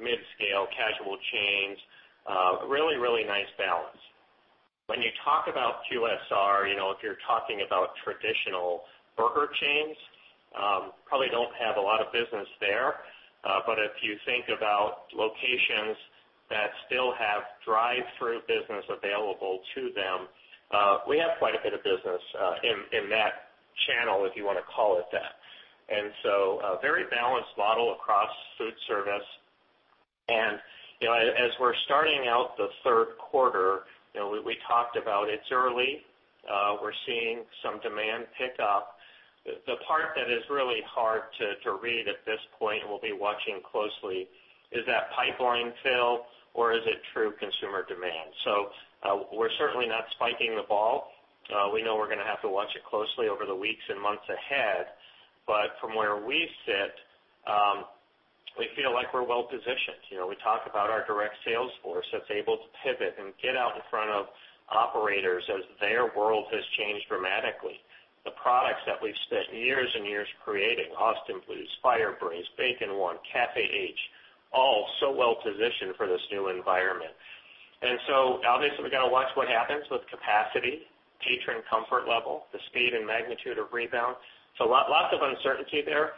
mid-scale casual chains, really, really nice balance. If you talk about QSR, if you're talking about traditional burger chains, probably don't have a lot of business there. If you think about locations that still have drive-through business available to them, we have quite a bit of business in that channel, if you want to call it that. A very balanced model across food service. As we're starting out the third quarter, we talked about it's early. We're seeing some demand pick up. The part that is really hard to read at this point, and we'll be watching closely, is that pipeline fill or is it true consumer demand? We're certainly not spiking the ball. We know we're going to have to watch it closely over the weeks and months ahead. From where we sit, we feel like we're well-positioned. We talk about our direct sales force that's able to pivot and get out in front of operators as their world has changed dramatically. The products that we've spent years and years creating, Austin Blues, Firebraise, Bacon One, Café H, all so well-positioned for this new environment. Obviously, we've got to watch what happens with capacity, patron comfort level, the speed and magnitude of rebound. Lots of uncertainty there.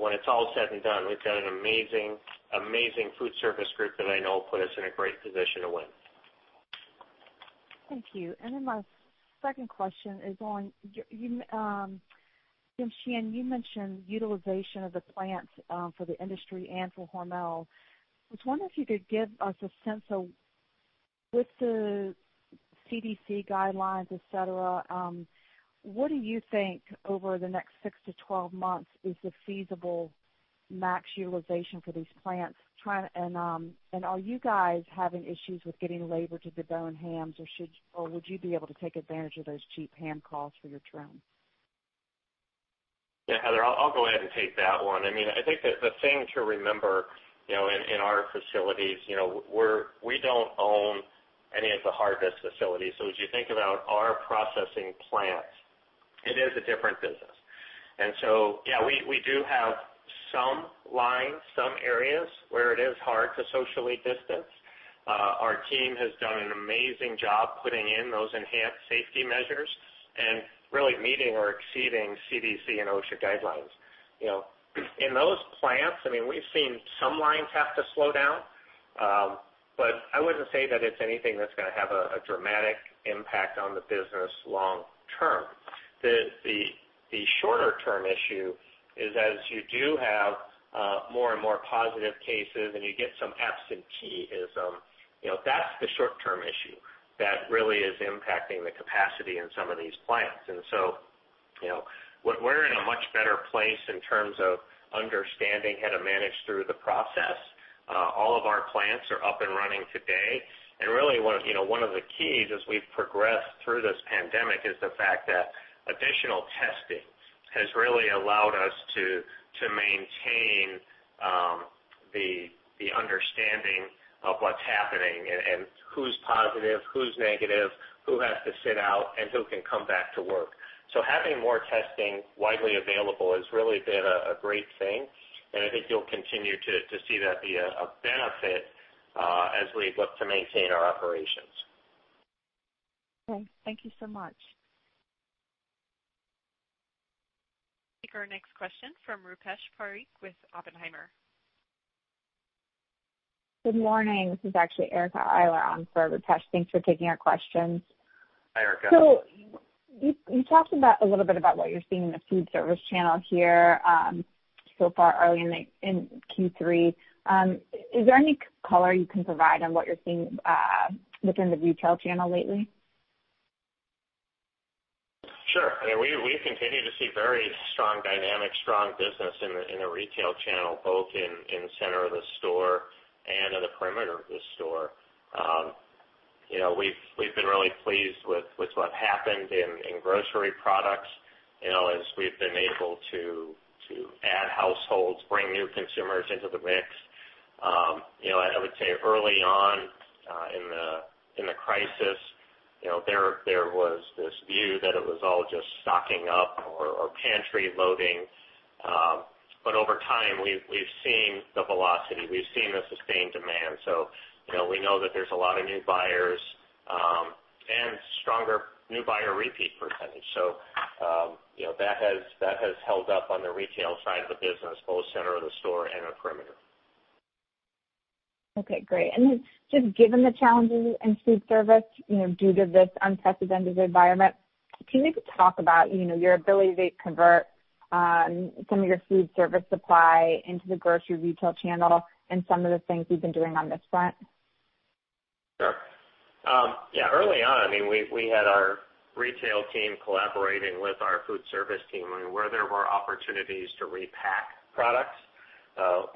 When it's all said and done, we've got an amazing, amazing food service group that I know will put us in a great position to win. Thank you. My second question is on Jim Sheehan, you mentioned utilization of the plants for the industry and for Hormel. I was wondering if you could give us a sense of with the CDC guidelines, etc., what do you think over the next 6 to 12 months is the feasible max utilization for these plants? Are you guys having issues with getting labor to debone hams, or would you be able to take advantage of those cheap ham costs for your trim? Yeah, Heather, I'll go ahead and take that one. I mean, I think the thing to remember in our facilities, we do not own any of the harvest facilities. As you think about our processing plants, it is a different business. Yeah, we do have some lines, some areas where it is hard to socially distance. Our team has done an amazing job putting in those enhanced safety measures and really meeting or exceeding CDC and OSHA guidelines. In those plants, I mean, we've seen some lines have to slow down, but I wouldn't say that it's anything that's going to have a dramatic impact on the business long term. The shorter-term issue is as you do have more and more positive cases and you get some absenteeism, that's the short-term issue that really is impacting the capacity in some of these plants. We are in a much better place in terms of understanding how to manage through the process. All of our plants are up and running today. Really, one of the keys as we've progressed through this pandemic is the fact that additional testing has really allowed us to maintain the understanding of what's happening and who's positive, who's negative, who has to sit out, and who can come back to work. Having more testing widely available has really been a great thing. I think you'll continue to see that be a benefit as we look to maintain our operations. Okay. Thank you so much. Take our next question from Rupesh Parikh with Oppenheimer. Good morning. This is actually Erica Eiler on for Rupesh. Thanks for taking our questions. Hi, Erica. You talked a little bit about what you're seeing in the food service channel here so far early in Q3. Is there any color you can provide on what you're seeing within the retail channel lately? Sure. I mean, we continue to see very strong dynamics, strong business in the retail channel, both in the center of the store and at the perimeter of the store. We've been really pleased with what happened in grocery products as we've been able to add households, bring new consumers into the mix. I would say early on in the crisis, there was this view that it was all just stocking up or pantry loading. Over time, we've seen the velocity. We've seen the sustained demand. We know that there's a lot of new buyers and stronger new buyer repeat percentage. That has held up on the retail side of the business, both center of the store and the perimeter. Okay. Great. Just given the challenges in food service due to this unprecedented environment, can you talk about your ability to convert some of your food service supply into the grocery retail channel and some of the things you've been doing on this front? Sure. Yeah. Early on, I mean, we had our retail team collaborating with our food service team. I mean, where there were opportunities to repack products,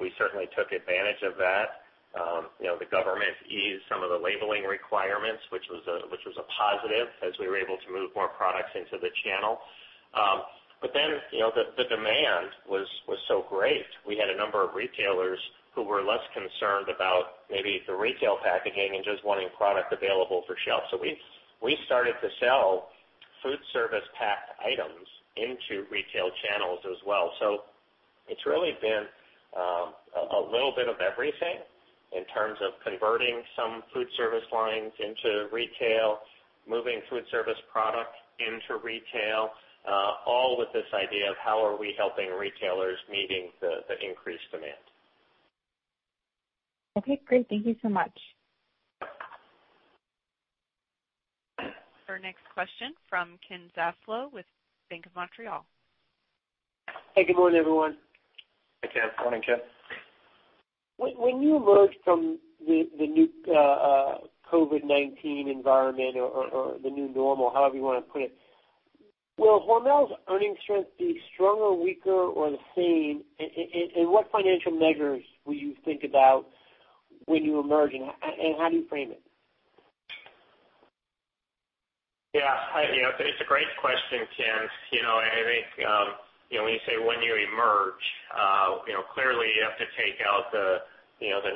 we certainly took advantage of that. The government eased some of the labeling requirements, which was a positive as we were able to move more products into the channel. The demand was so great. We had a number of retailers who were less concerned about maybe the retail packaging and just wanting product available for shelf. We started to sell food service packed items into retail channels as well. It has really been a little bit of everything in terms of converting some food service lines into retail, moving food service product into retail, all with this idea of how are we helping retailers meeting the increased demand. Okay. Great. Thank you so much. Our next question from Ken Zaslow with Bank of Montreal. Hey, good morning, everyone. Hi, Ken. Morning, Ken. When you emerged from the new COVID-19 environment or the new normal, however you want to put it, will Hormel's earnings strength be stronger, weaker, or the same? What financial measures will you think about when you emerge, and how do you frame it? Yeah. It's a great question, Ken. I think when you say when you emerge, clearly you have to take out the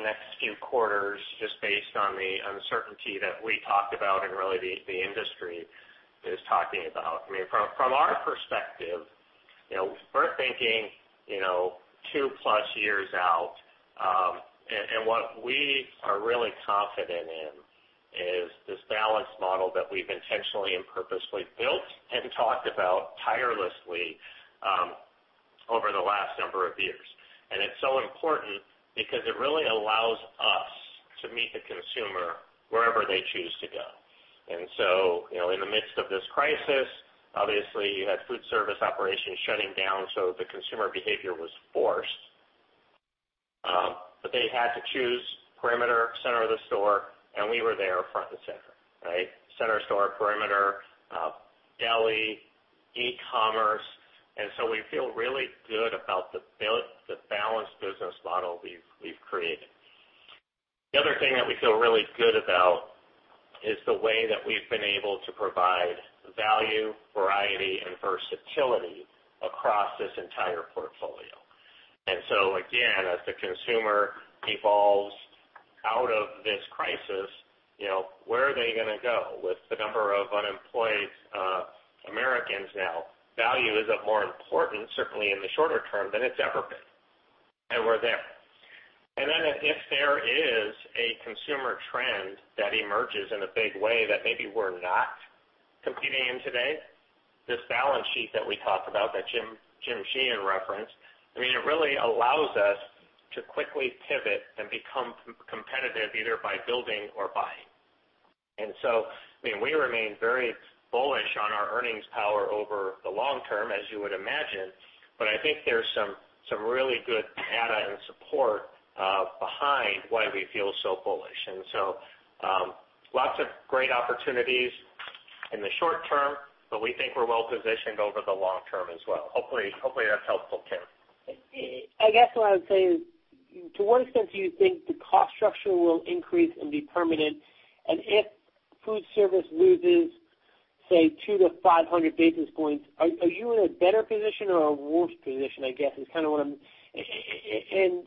next few quarters just based on the uncertainty that we talked about and really the industry is talking about. I mean, from our perspective, we're thinking two-plus years out. What we are really confident in is this balanced model that we've intentionally and purposefully built and talked about tirelessly over the last number of years. It's so important because it really allows us to meet the consumer wherever they choose to go. In the midst of this crisis, obviously, you had food service operations shutting down, so the consumer behavior was forced. They had to choose perimeter, center of the store, and we were there front and center, right? Center store, perimeter, deli, e-commerce. We feel really good about the balanced business model we've created. The other thing that we feel really good about is the way that we've been able to provide value, variety, and versatility across this entire portfolio. Again, as the consumer evolves out of this crisis, where are they going to go with the number of unemployed Americans now? Value is of more importance, certainly in the shorter term, than it's ever been. We're there. If there is a consumer trend that emerges in a big way that maybe we're not competing in today, this balance sheet that we talked about that Jim Sheehan referenced, I mean, it really allows us to quickly pivot and become competitive either by building or buying. I mean, we remain very bullish on our earnings power over the long term, as you would imagine. I think there's some really good data and support behind why we feel so bullish. Lots of great opportunities in the short term, but we think we're well-positioned over the long term as well. Hopefully, that's helpful, Ken. I guess what I would say is, to what extent do you think the cost structure will increase and be permanent? If food service loses, say, 200 to 500 basis points, are you in a better position or a worse position, I guess, is kind of what I'm—and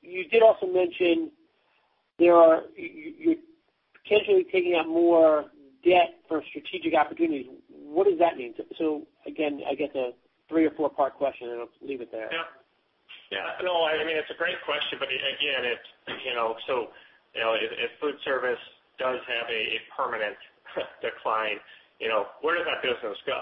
you did also mention you're potentially taking out more debt for strategic opportunities. What does that mean? Again, I guess a three or four-part question, and I'll leave it there. Yeah. Yeah. No, I mean, it's a great question, but again, if food service does have a permanent decline, where does that business go,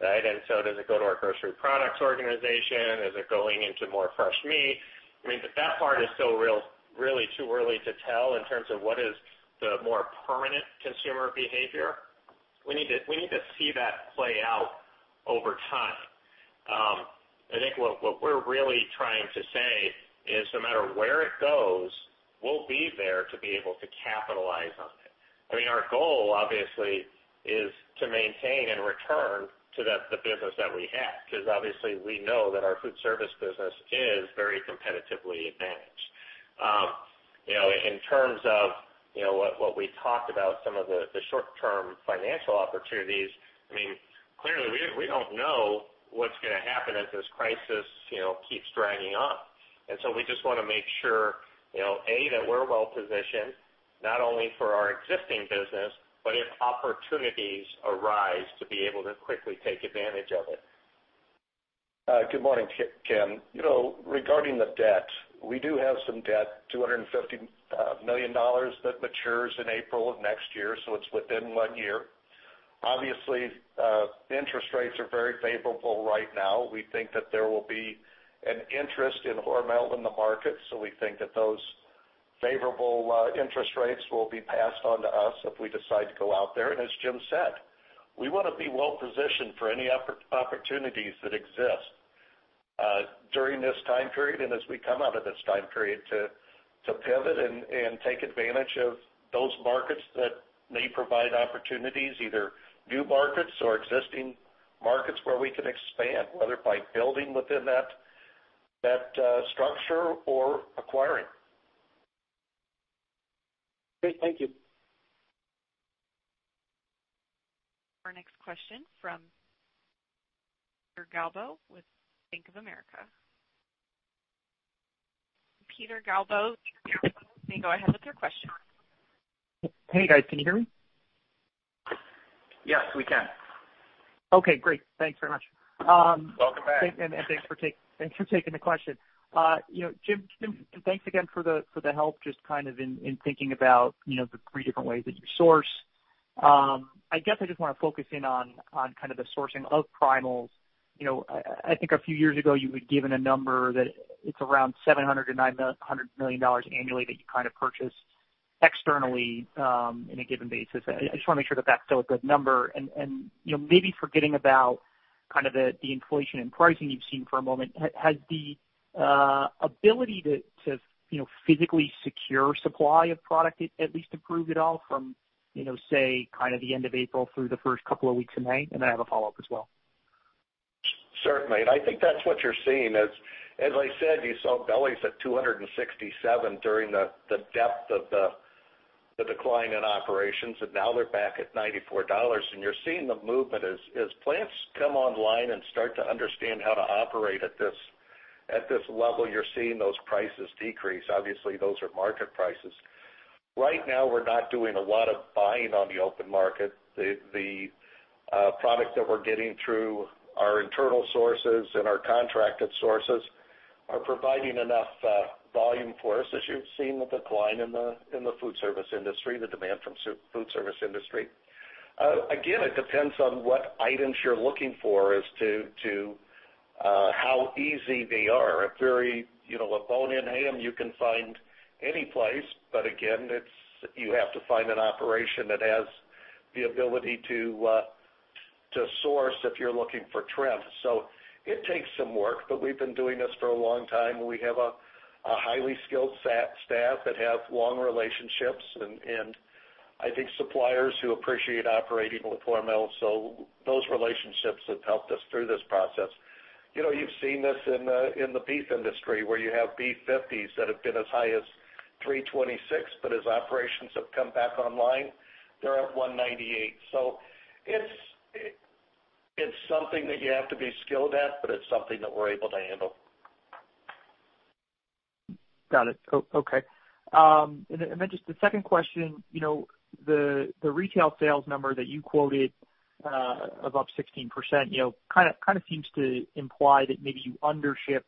right? Does it go to our grocery products organization? Is it going into more fresh meat? I mean, that part is still really too early to tell in terms of what is the more permanent consumer behavior. We need to see that play out over time. I think what we're really trying to say is no matter where it goes, we'll be there to be able to capitalize on it. I mean, our goal, obviously, is to maintain and return to the business that we have because, obviously, we know that our food service business is very competitively advantaged. In terms of what we talked about, some of the short-term financial opportunities, I mean, clearly, we don't know what's going to happen as this crisis keeps dragging on. We just want to make sure, A, that we're well-positioned, not only for our existing business, but if opportunities arise, to be able to quickly take advantage of it. Good morning, Ken. Regarding the debt, we do have some debt, $250 million that matures in April of next year, so it's within one year. Obviously, interest rates are very favorable right now. We think that there will be an interest in Hormel in the market, so we think that those favorable interest rates will be passed on to us if we decide to go out there. As Jim said, we want to be well-positioned for any opportunities that exist during this time period and as we come out of this time period to pivot and take advantage of those markets that may provide opportunities, either new markets or existing markets where we can expand, whether by building within that structure or acquiring. Great. Thank you. Our next question from Peter Galbo with Bank of America. Peter Galbo, can you go ahead with your question? Hey, guys. Can you hear me? Yes, we can. Okay. Great. Thanks very much. Welcome back. Thanks for taking the question. Jim, thanks again for the help just kind of in thinking about the three different ways that you source. I guess I just want to focus in on kind of the sourcing of primals. I think a few years ago, you had given a number that it's around $700 million to $900 million annually that you kind of purchase externally in a given basis. I just want to make sure that that's still a good number. And maybe forgetting about kind of the inflation and pricing you've seen for a moment, has the ability to physically secure supply of product at least improved at all from, say, kind of the end of April through the first couple of weeks in May? I have a follow-up as well. Certainly. I think that's what you're seeing. As I said, you saw delis at $267 during the depth of the decline in operations, and now they're back at $94. You're seeing the movement as plants come online and start to understand how to operate at this level, you're seeing those prices decrease. Obviously, those are market prices. Right now, we're not doing a lot of buying on the open market. The products that we're getting through our internal sources and our contracted sources are providing enough volume for us, as you've seen the decline in the food service industry, the demand from the food service industry. Again, it depends on what items you're looking for as to how easy they are. A bone-in ham, you can find any place, but again, you have to find an operation that has the ability to source if you're looking for trim. It takes some work, but we've been doing this for a long time. We have a highly skilled staff that have long relationships, and I think suppliers who appreciate operating with Hormel. Those relationships have helped us through this process. You've seen this in the beef industry where you have beef 50s that have been as high as $326, but as operations have come back online, they're at $198. It is something that you have to be skilled at, but it's something that we're able to handle. Got it. Okay. The second question, the retail sales number that you quoted of up 16% kind of seems to imply that maybe you undershipped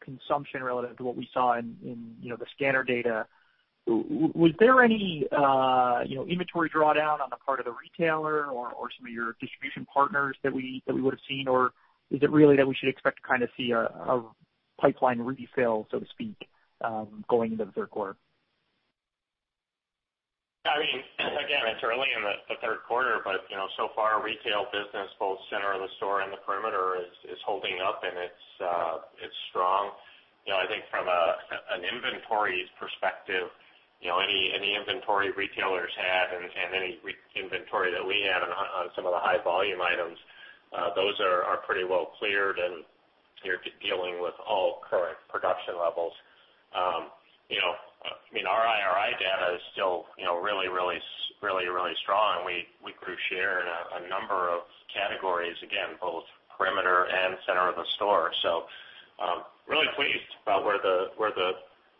consumption relative to what we saw in the scanner data. Was there any inventory drawdown on the part of the retailer or some of your distribution partners that we would have seen, or is it really that we should expect to kind of see a pipeline refill, so to speak, going into the third quarter? I mean, again, it is early in the third quarter, but so far, retail business, both center of the store and the perimeter, is holding up, and it is strong. I think from an inventory perspective, any inventory retailers had and any inventory that we had on some of the high-volume items, those are pretty well cleared, and you are dealing with all current production levels. I mean, our IRI data is still really, really, really strong, and we grew share in a number of categories, again, both perimeter and center of the store. Really pleased about where the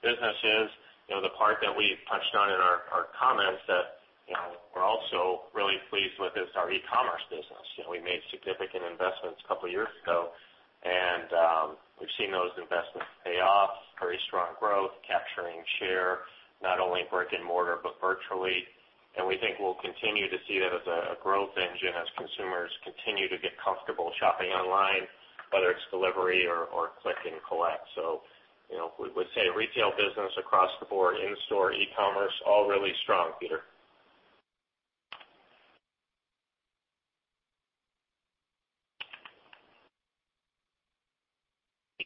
business is. The part that we touched on in our comments that we're also really pleased with is our e-commerce business. We made significant investments a couple of years ago, and we've seen those investments pay off, very strong growth, capturing share, not only brick and mortar but virtually. We think we'll continue to see that as a growth engine as consumers continue to get comfortable shopping online, whether it's delivery or click and collect. We would say retail business across the board, in-store, e-commerce, all really strong, Peter.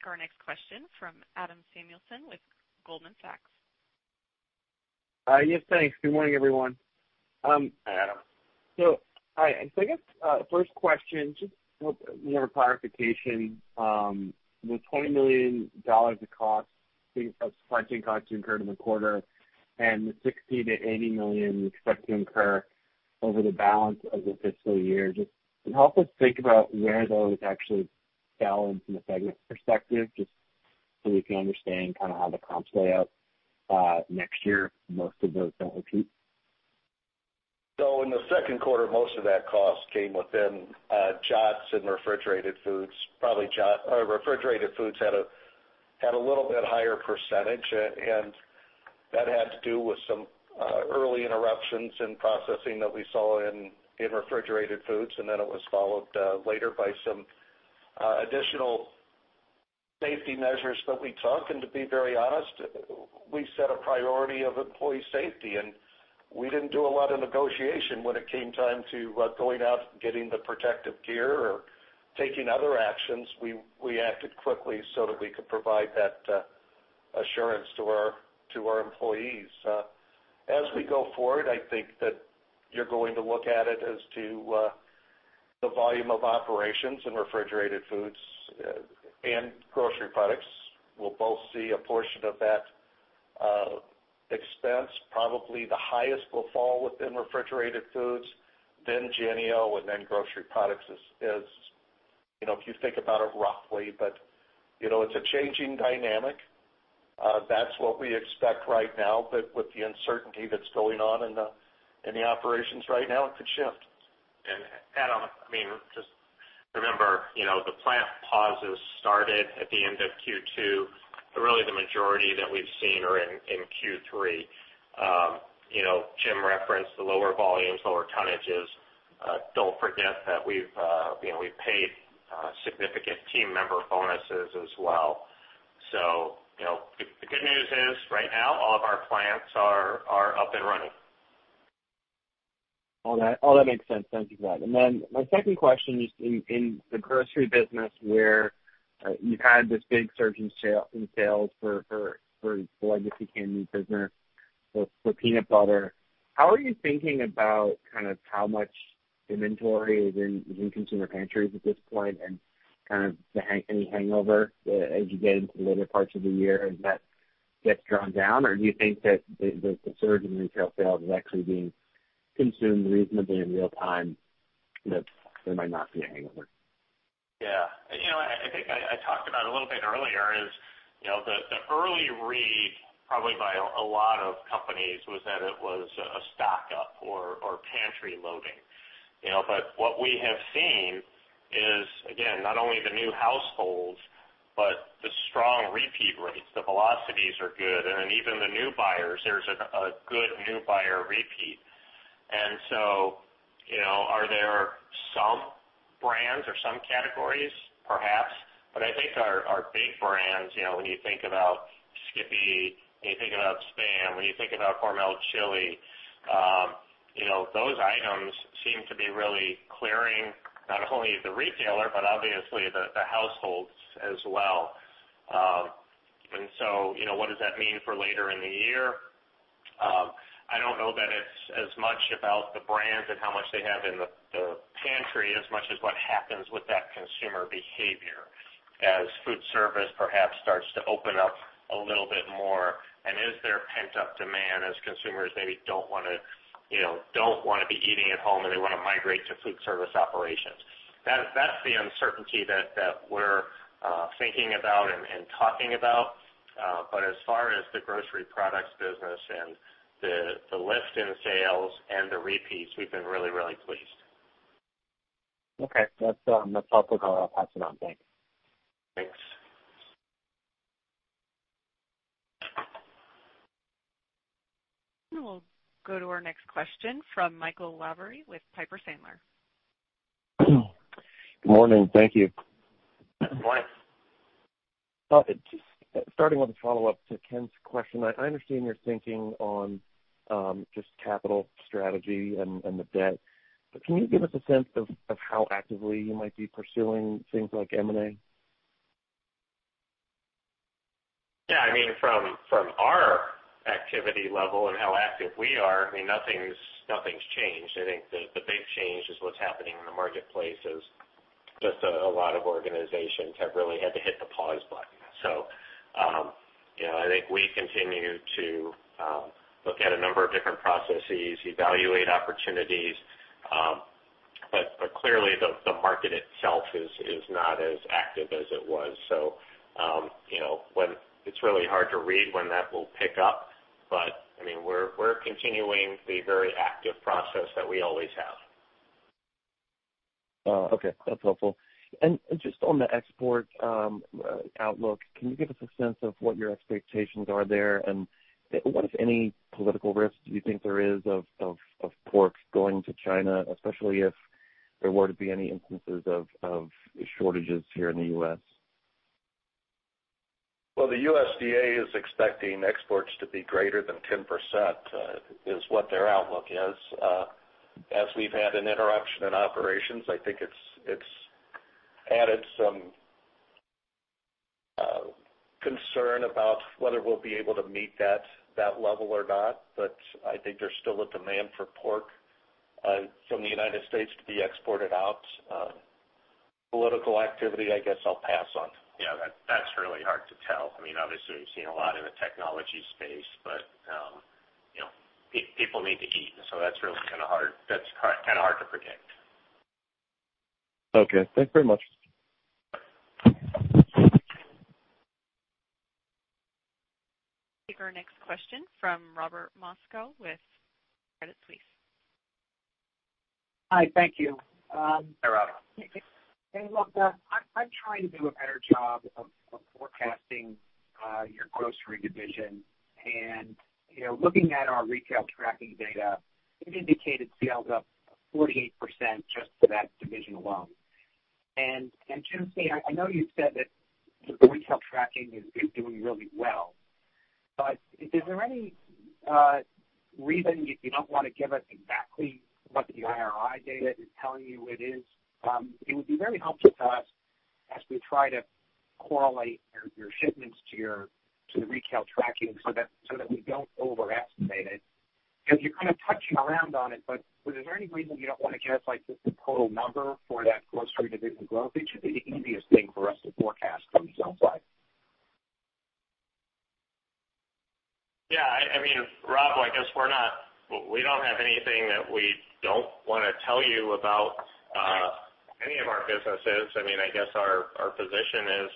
Take our next question from Adam Samuelson with Goldman Sachs. Yes, thanks. Good morning, everyone. Hi, Adam. I guess first question, just a little bit more clarification. The $20 million of supply chain costs to incur in the quarter and the $60-$80 million you expect to incur over the balance of the fiscal year, just help us think about where those actually fell in from a segment perspective just so we can understand kind of how the comps play out next year, most of those do not repeat. In the second quarter, most of that cost came within Jennie-O and Refrigerated Foods. Refrigerated Foods had a little bit higher percentage, and that had to do with some early interruptions in processing that we saw in Refrigerated Foods. It was followed later by some additional safety measures that we took. To be very honest, we set a priority of employee safety, and we did not do a lot of negotiation when it came time to going out and getting the protective gear or taking other actions. We acted quickly so that we could provide that assurance to our employees. As we go forward, I think that you are going to look at it as to the volume of operations in refrigerated foods and grocery products. We will both see a portion of that expense. Probably the highest will fall within refrigerated foods, then Jennie-O, and then grocery products if you think about it roughly. It is a changing dynamic. That is what we expect right now. With the uncertainty that is going on in the operations right now, it could shift. Adam, I mean, just remember the plant pauses started at the end of Q2, but really the majority that we've seen are in Q3. Jim referenced the lower volumes, lower tonnages. Do not forget that we've paid significant team member bonuses as well. The good news is right now, all of our plants are up and running. All that makes sense. Thank you for that. My second question is in the grocery business where you've had this big surge in sales for the legacy candy business, for peanut butter, how are you thinking about kind of how much inventory is in consumer pantries at this point and kind of any hangover as you get into later parts of the year? Is that gets drawn down, or do you think that the surge in retail sales is actually being consumed reasonably in real time that there might not be a hangover? Yeah. I think I talked about a little bit earlier is the early read probably by a lot of companies was that it was a stock-up or pantry loading. What we have seen is, again, not only the new households, but the strong repeat rates. The velocities are good. Then even the new buyers, there's a good new buyer repeat. Are there some brands or some categories, perhaps? I think our big brands, when you think about Skippy, when you think about SPAM, when you think about Hormel Chili, those items seem to be really clearing not only the retailer, but obviously the households as well. What does that mean for later in the year? I do not know that it is as much about the brands and how much they have in the pantry as much as what happens with that consumer behavior as food service perhaps starts to open up a little bit more. Is there pent-up demand as consumers maybe do not want to be eating at home, and they want to migrate to food service operations? That is the uncertainty that we are thinking about and talking about. As far as the grocery products business and the lift in sales and the repeats, we have been really, really pleased. Okay. That is helpful. I will pass it on. Thanks. Thanks. We will go to our next question from Michael Lavery with Piper Sandler. Good morning. Thank you. Good morning. Starting with a follow-up to Ken's question, I understand your thinking on just capital strategy and the debt. Can you give us a sense of how actively you might be pursuing things like M&A? Yeah. I mean, from our activity level and how active we are, nothing's changed. I think the big change is what's happening in the marketplace is just a lot of organizations have really had to hit the pause button. I think we continue to look at a number of different processes, evaluate opportunities. Clearly, the market itself is not as active as it was. It's really hard to read when that will pick up, but I mean, we're continuing the very active process that we always have. Okay. That's helpful. Just on the export outlook, can you give us a sense of what your expectations are there? What, if any, political risk do you think there is of pork going to China, especially if there were to be any instances of shortages here in the U.S.? The USDA is expecting exports to be greater than 10% is what their outlook is. As we've had an interruption in operations, I think it's added some concern about whether we'll be able to meet that level or not. I think there's still a demand for pork from the United States to be exported out. Political activity, I guess I'll pass on. Yeah. That's really hard to tell. I mean, obviously, we've seen a lot in the technology space, but people need to eat. That's really kind of hard to predict. Okay. Thanks very much. Take our next question from Robert Moskow with Credit Suisse. Hi. Thank you. Hi, Robert. Hey, look now, I'm trying to do a better job of forecasting your grocery division. Looking at our retail tracking data, it indicated sales up 48% just for that division alone. Jim Snee, I know you said that retail tracking is doing really well. Is there any reason you do not want to give us exactly what the IRI data is telling you it is? It would be very helpful to us as we try to correlate your shipments to the retail tracking so that we do not overestimate it. You are kind of touching around on it, but is there any reason you do not want to give us the total number for that grocery division growth? It should be the easiest thing for us to forecast from the sales side. Yeah. I mean, Rob, I guess we do not have anything that we do not want to tell you about any of our businesses. I mean, I guess our position is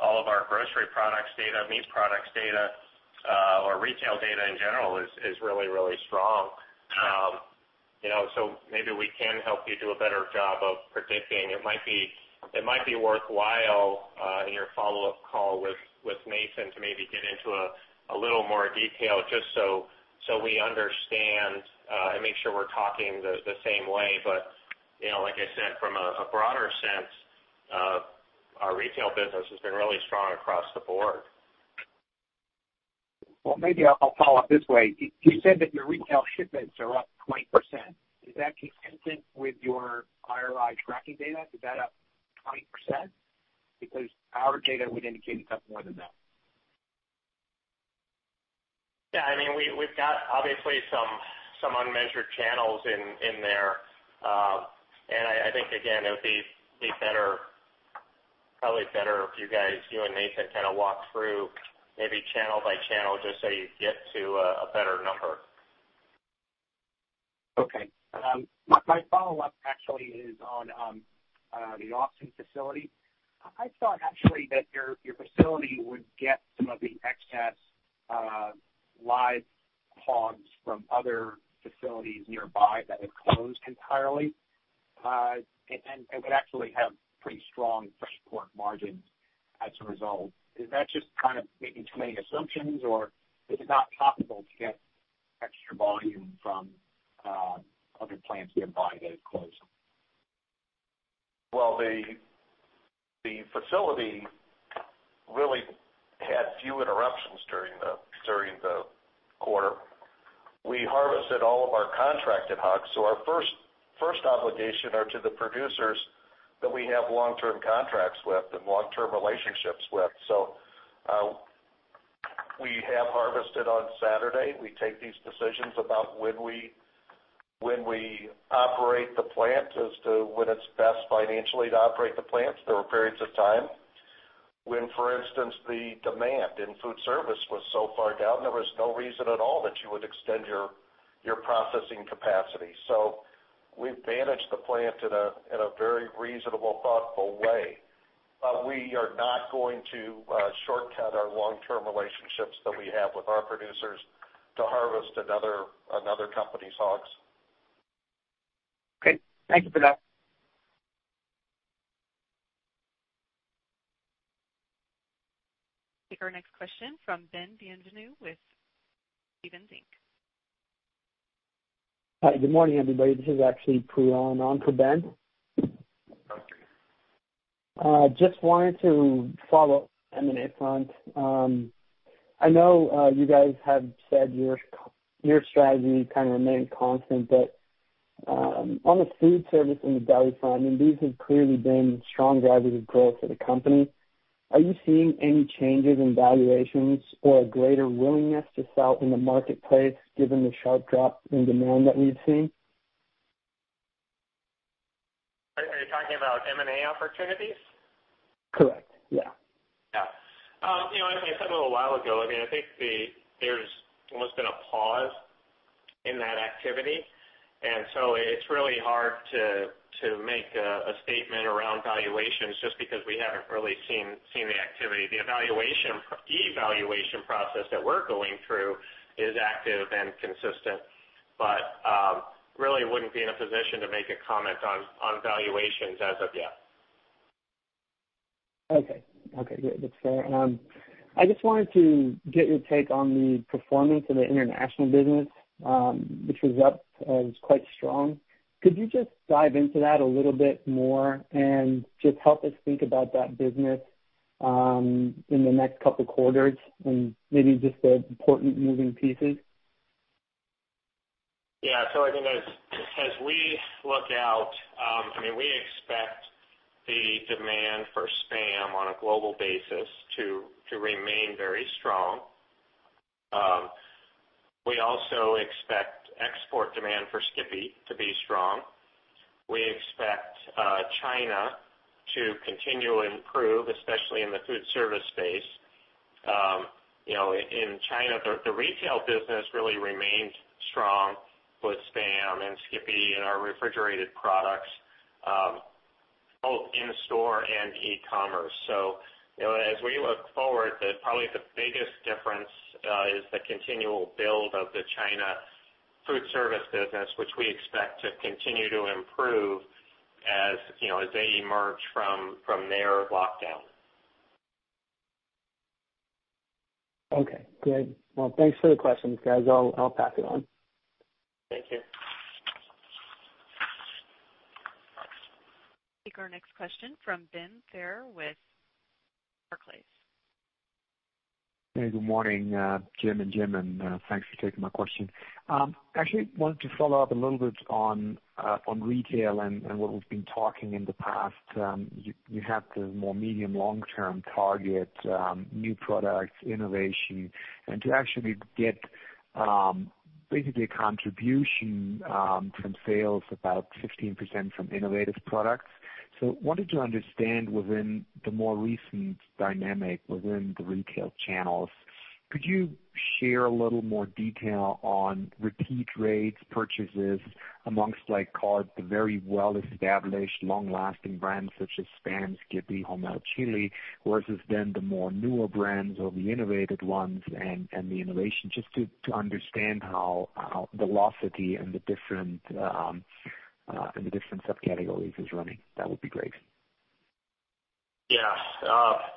all of our grocery products data, meat products data, or retail data in general is really, really strong. Maybe we can help you do a better job of predicting. It might be worthwhile in your follow-up call with Nathan to maybe get into a little more detail just so we understand and make sure we are talking the same way. Like I said, from a broader sense, our retail business has been really strong across the board. Maybe I will follow up this way. You said that your retail shipments are up 20%. Is that consistent with your IRI tracking data? Is that up 20%? Because our data would indicate it is up more than that. Yeah. I mean, we've got obviously some unmeasured channels in there. I think, again, it would be probably better if you guys, you and Nathan, kind of walk through maybe channel by channel just so you get to a better number. Okay. My follow-up actually is on the Austin facility. I thought actually that your facility would get some of the excess live hogs from other facilities nearby that have closed entirely, and it would actually have pretty strong fresh pork margins as a result. Is that just kind of maybe too many assumptions, or is it not possible to get extra volume from other plants nearby that have closed? The facility really had few interruptions during the quarter. We harvested all of our contracted hogs. Our first obligation is to the producers that we have long-term contracts with and long-term relationships with. We have harvested on Saturday. We take these decisions about when we operate the plant as to when it's best financially to operate the plants. There were periods of time when, for instance, the demand in food service was so far down, there was no reason at all that you would extend your processing capacity. We have managed the plant in a very reasonable, thoughtful way. We are not going to shortcut our long-term relationships that we have with our producers to harvest another company's hogs. Okay. Thank you for that. Take our next question from Ben Bienvenu with Steven Inc. Hi. Good morning, everybody. This is actually Drew on for Ben. Just wanted to follow up on the M&A front. I know you guys have said your strategy kind of remained constant, but on the food service and the deli front, I mean, these have clearly been strong drivers of growth for the company. Are you seeing any changes in valuations or a greater willingness to sell in the marketplace given the sharp drop in demand that we've seen? Are you talking about M&A opportunities? Correct. Yeah. Yeah. As I said a little while ago, I mean, I think there's almost been a pause in that activity. It is really hard to make a statement around valuations just because we haven't really seen the activity. The evaluation process that we're going through is active and consistent, but really wouldn't be in a position to make a comment on valuations as of yet. Okay. Okay. Good. That's fair. I just wanted to get your take on the performance of the international business, which was up. It was quite strong. Could you just dive into that a little bit more and just help us think about that business in the next couple of quarters and maybe just the important moving pieces? Yeah. I mean, as we look out, I mean, we expect the demand for SPAM on a global basis to remain very strong. We also expect export demand for Skippy to be strong. We expect China to continue to improve, especially in the food service space. In China, the retail business really remained strong with SPAM and Skippy and our refrigerated products both in-store and e-commerce. As we look forward, probably the biggest difference is the continual build of the China food service business, which we expect to continue to improve as they emerge from their lockdown. Good. Thanks for the questions, guys. I'll pass it on. Thank you. Take our next question from Ben Theurer with Barclays. Hey. Good morning, Jim and Jim. Thanks for taking my question. Actually, I wanted to follow up a little bit on retail and what we've been talking in the past. You have the more medium-long-term target, new products, innovation, and to actually get basically a contribution from sales, about 15% from innovative products. I wanted to understand within the more recent dynamic within the retail channels, could you share a little more detail on repeat rates purchases amongst the very well-established, long-lasting brands such as SPAM, Skippy, Hormel Chili, versus then the more newer brands or the innovated ones and the innovation? Just to understand how velocity and the different subcategories is running. That would be great. Yeah.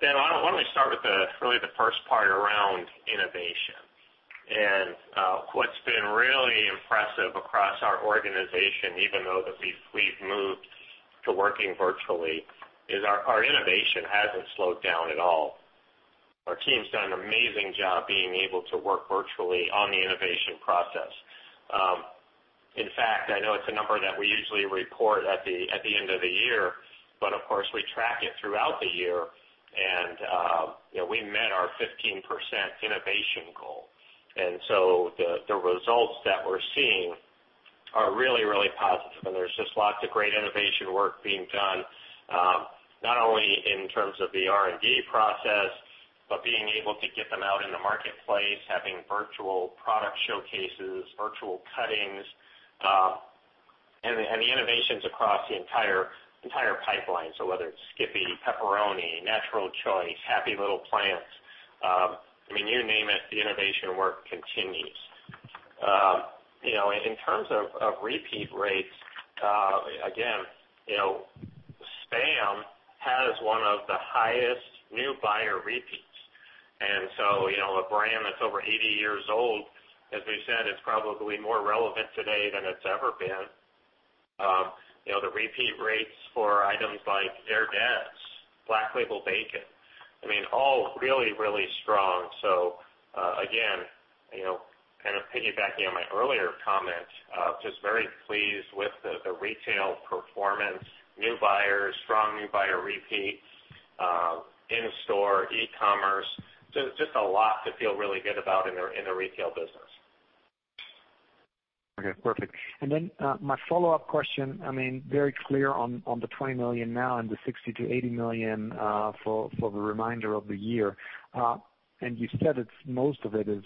Ben, why don't we start with really the first part around innovation? What's been really impressive across our organization, even though we've moved to working virtually, is our innovation hasn't slowed down at all. Our team's done an amazing job being able to work virtually on the innovation process. In fact, I know it's a number that we usually report at the end of the year, but of course, we track it throughout the year. We met our 15% innovation goal. The results that we're seeing are really, really positive. There's just lots of great innovation work being done, not only in terms of the R&D process, but being able to get them out in the marketplace, having virtual product showcases, virtual cuttings, and the innovations across the entire pipeline. Whether it's Skippy, Pepperoni, Natural Choice, Happy Little Plants, you name it, the innovation work continues. In terms of repeat rates, again, SPAM has one of the highest new buyer repeats. A brand that's over 80 years old, as we've said, is probably more relevant today than it's ever been. The repeat rates for items like Aidells, Black Label Bacon, all really, really strong. Again, kind of piggybacking on my earlier comment, just very pleased with the retail performance, new buyers, strong new buyer repeat, in-store, e-commerce, just a lot to feel really good about in the retail business. Okay. Perfect. My follow-up question, I mean, very clear on the $20 million now and the $60 million-$80 million for the remainder of the year. You said most of it is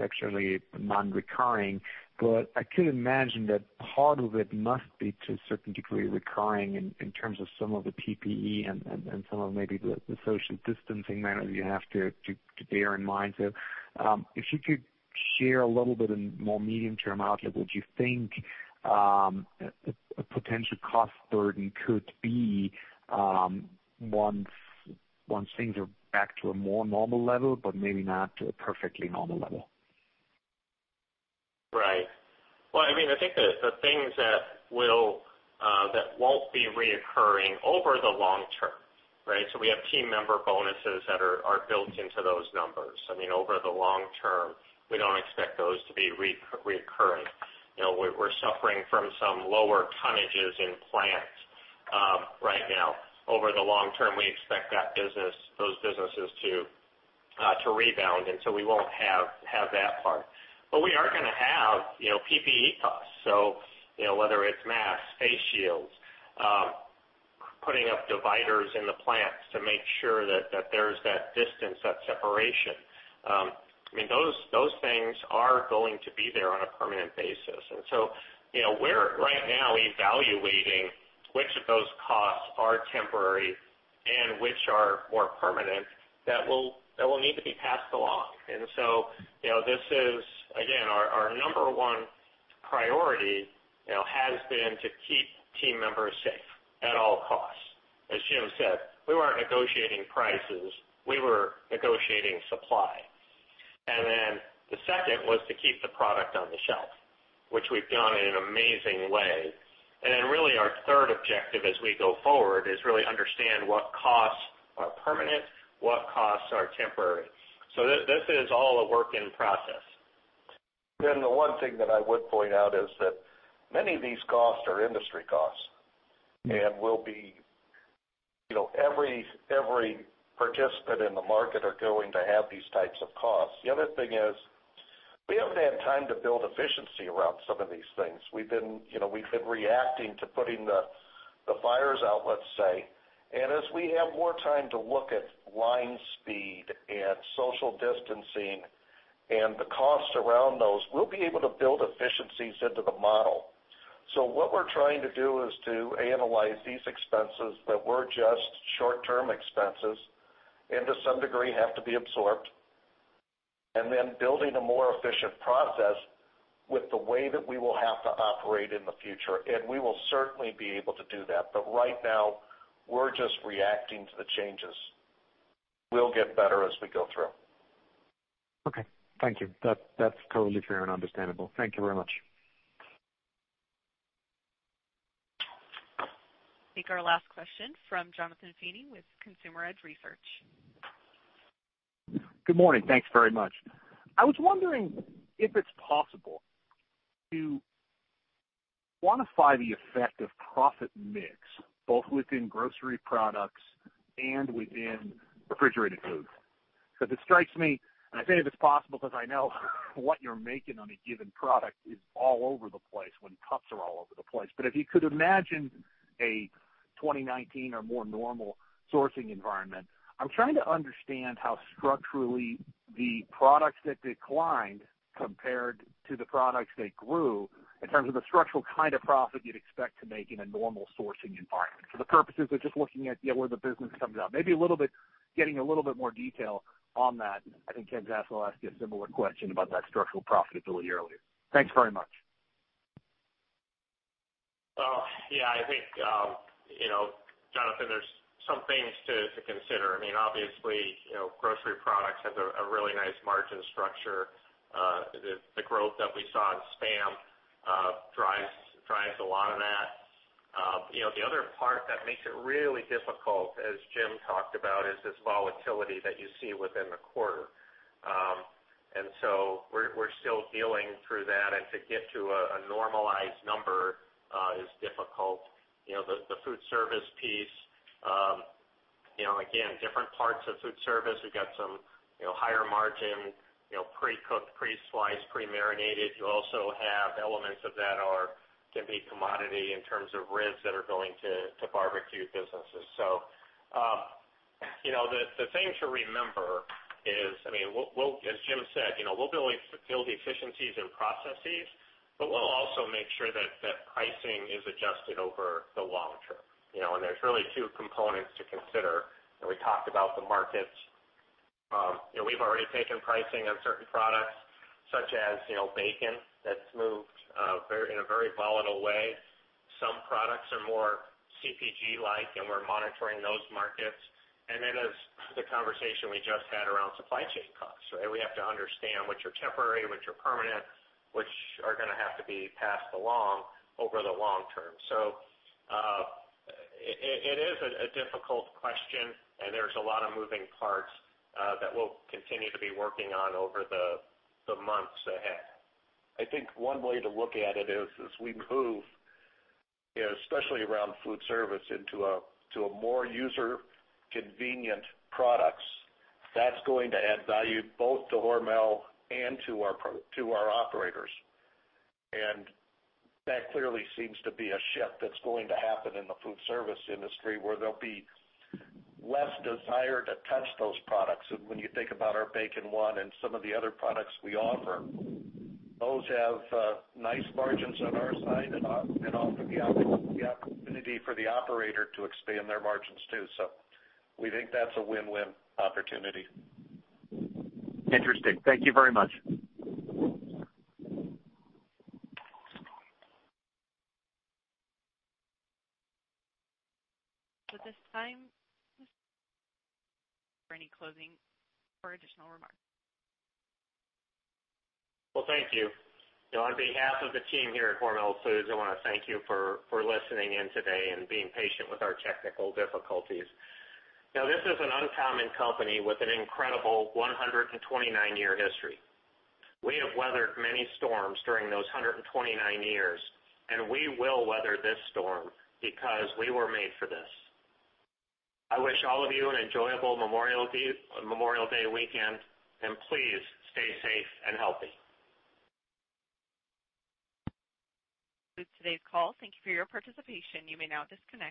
actually non-recurring, but I could imagine that part of it must be to a certain degree recurring in terms of some of the PPE and some of maybe the social distancing measures you have to bear in mind. If you could share a little bit in more medium-term outlook, what do you think a potential cost burden could be once things are back to a more normal level, but maybe not to a perfectly normal level? Right. I mean, I think the things that won't be reoccurring over the long term, right? We have team member bonuses that are built into those numbers. I mean, over the long term, we don't expect those to be reoccurring. We're suffering from some lower tonnages in plants right now. Over the long term, we expect those businesses to rebound, and we won't have that part. We are going to have PPE costs. Whether it's masks, face shields, putting up dividers in the plants to make sure that there's that distance, that separation. I mean, those things are going to be there on a permanent basis. We are right now evaluating which of those costs are temporary and which are more permanent that will need to be passed along. This is, again, our number one priority has been to keep team members safe at all costs. As Jim said, we were not negotiating prices. We were negotiating supply. The second was to keep the product on the shelf, which we have done in an amazing way. Our third objective as we go forward is to really understand what costs are permanent, what costs are temporary. This is all a work in process. The one thing that I would point out is that many of these costs are industry costs and every participant in the market is going to have these types of costs. The other thing is we have not had time to build efficiency around some of these things. We have been reacting to putting the fires out, let's say. As we have more time to look at line speed and social distancing and the cost around those, we'll be able to build efficiencies into the model. What we're trying to do is to analyze these expenses that were just short-term expenses and to some degree have to be absorbed and then building a more efficient process with the way that we will have to operate in the future. We will certainly be able to do that. Right now, we're just reacting to the changes. We'll get better as we go through. Okay. Thank you. That's totally fair and understandable. Thank you very much. Take our last question from Jonathan Feeney with Consumer Edge Research. Good morning. Thanks very much. I was wondering if it's possible to quantify the effect of profit mix both within grocery products and within refrigerated food. Because it strikes me, and I say it's possible because I know what you're making on a given product is all over the place when cups are all over the place. If you could imagine a 2019 or more normal sourcing environment, I'm trying to understand how structurally the products that declined compared to the products that grew in terms of the structural kind of profit you'd expect to make in a normal sourcing environment. For the purposes of just looking at where the business comes out, maybe a little bit getting a little bit more detail on that. I think Ken Zaslow asked you a similar question about that structural profitability earlier. Thanks very much. Yeah. I think, Jonathan, there's some things to consider. I mean, obviously, grocery products have a really nice margin structure. The growth that we saw in SPAM drives a lot of that. The other part that makes it really difficult, as Jim talked about, is this volatility that you see within the quarter. We are still dealing through that. To get to a normalized number is difficult. The food service piece, again, different parts of food service. We have some higher margin, pre-cooked, pre-sliced, pre-marinated. You also have elements of that can be commodity in terms of ribs that are going to barbecue businesses. The thing to remember is, I mean, as Jim said, we will build efficiencies and processes, but we will also make sure that pricing is adjusted over the long term. There are really two components to consider. We talked about the markets. We have already taken pricing on certain products such as bacon that has moved in a very volatile way. Some products are more CPG-like, and we are monitoring those markets. There is the conversation we just had around supply chain costs, right? We have to understand which are temporary, which are permanent, which are going to have to be passed along over the long term. It is a difficult question, and there are a lot of moving parts that we will continue to be working on over the months ahead. I think one way to look at it is as we move, especially around food service, into a more user-convenient product. That is going to add value both to Hormel and to our operators. That clearly seems to be a shift that is going to happen in the food service industry where there will be less desire to touch those products. When you think about our Bacon One and some of the other products we offer, those have nice margins on our side and offer the opportunity for the operator to expand their margins too. We think that's a win-win opportunity. Interesting. Thank you very much. At this time, Mr. Snee, any closing or additional remarks? Thank you. On behalf of the team here at Hormel Foods, I want to thank you for listening in today and being patient with our technical difficulties. This is an uncommon company with an incredible 129-year history. We have weathered many storms during those 129 years, and we will weather this storm because we were made for this. I wish all of you an enjoyable Memorial Day weekend, and please stay safe and healthy. This is today's call. Thank you for your participation. You may now disconnect.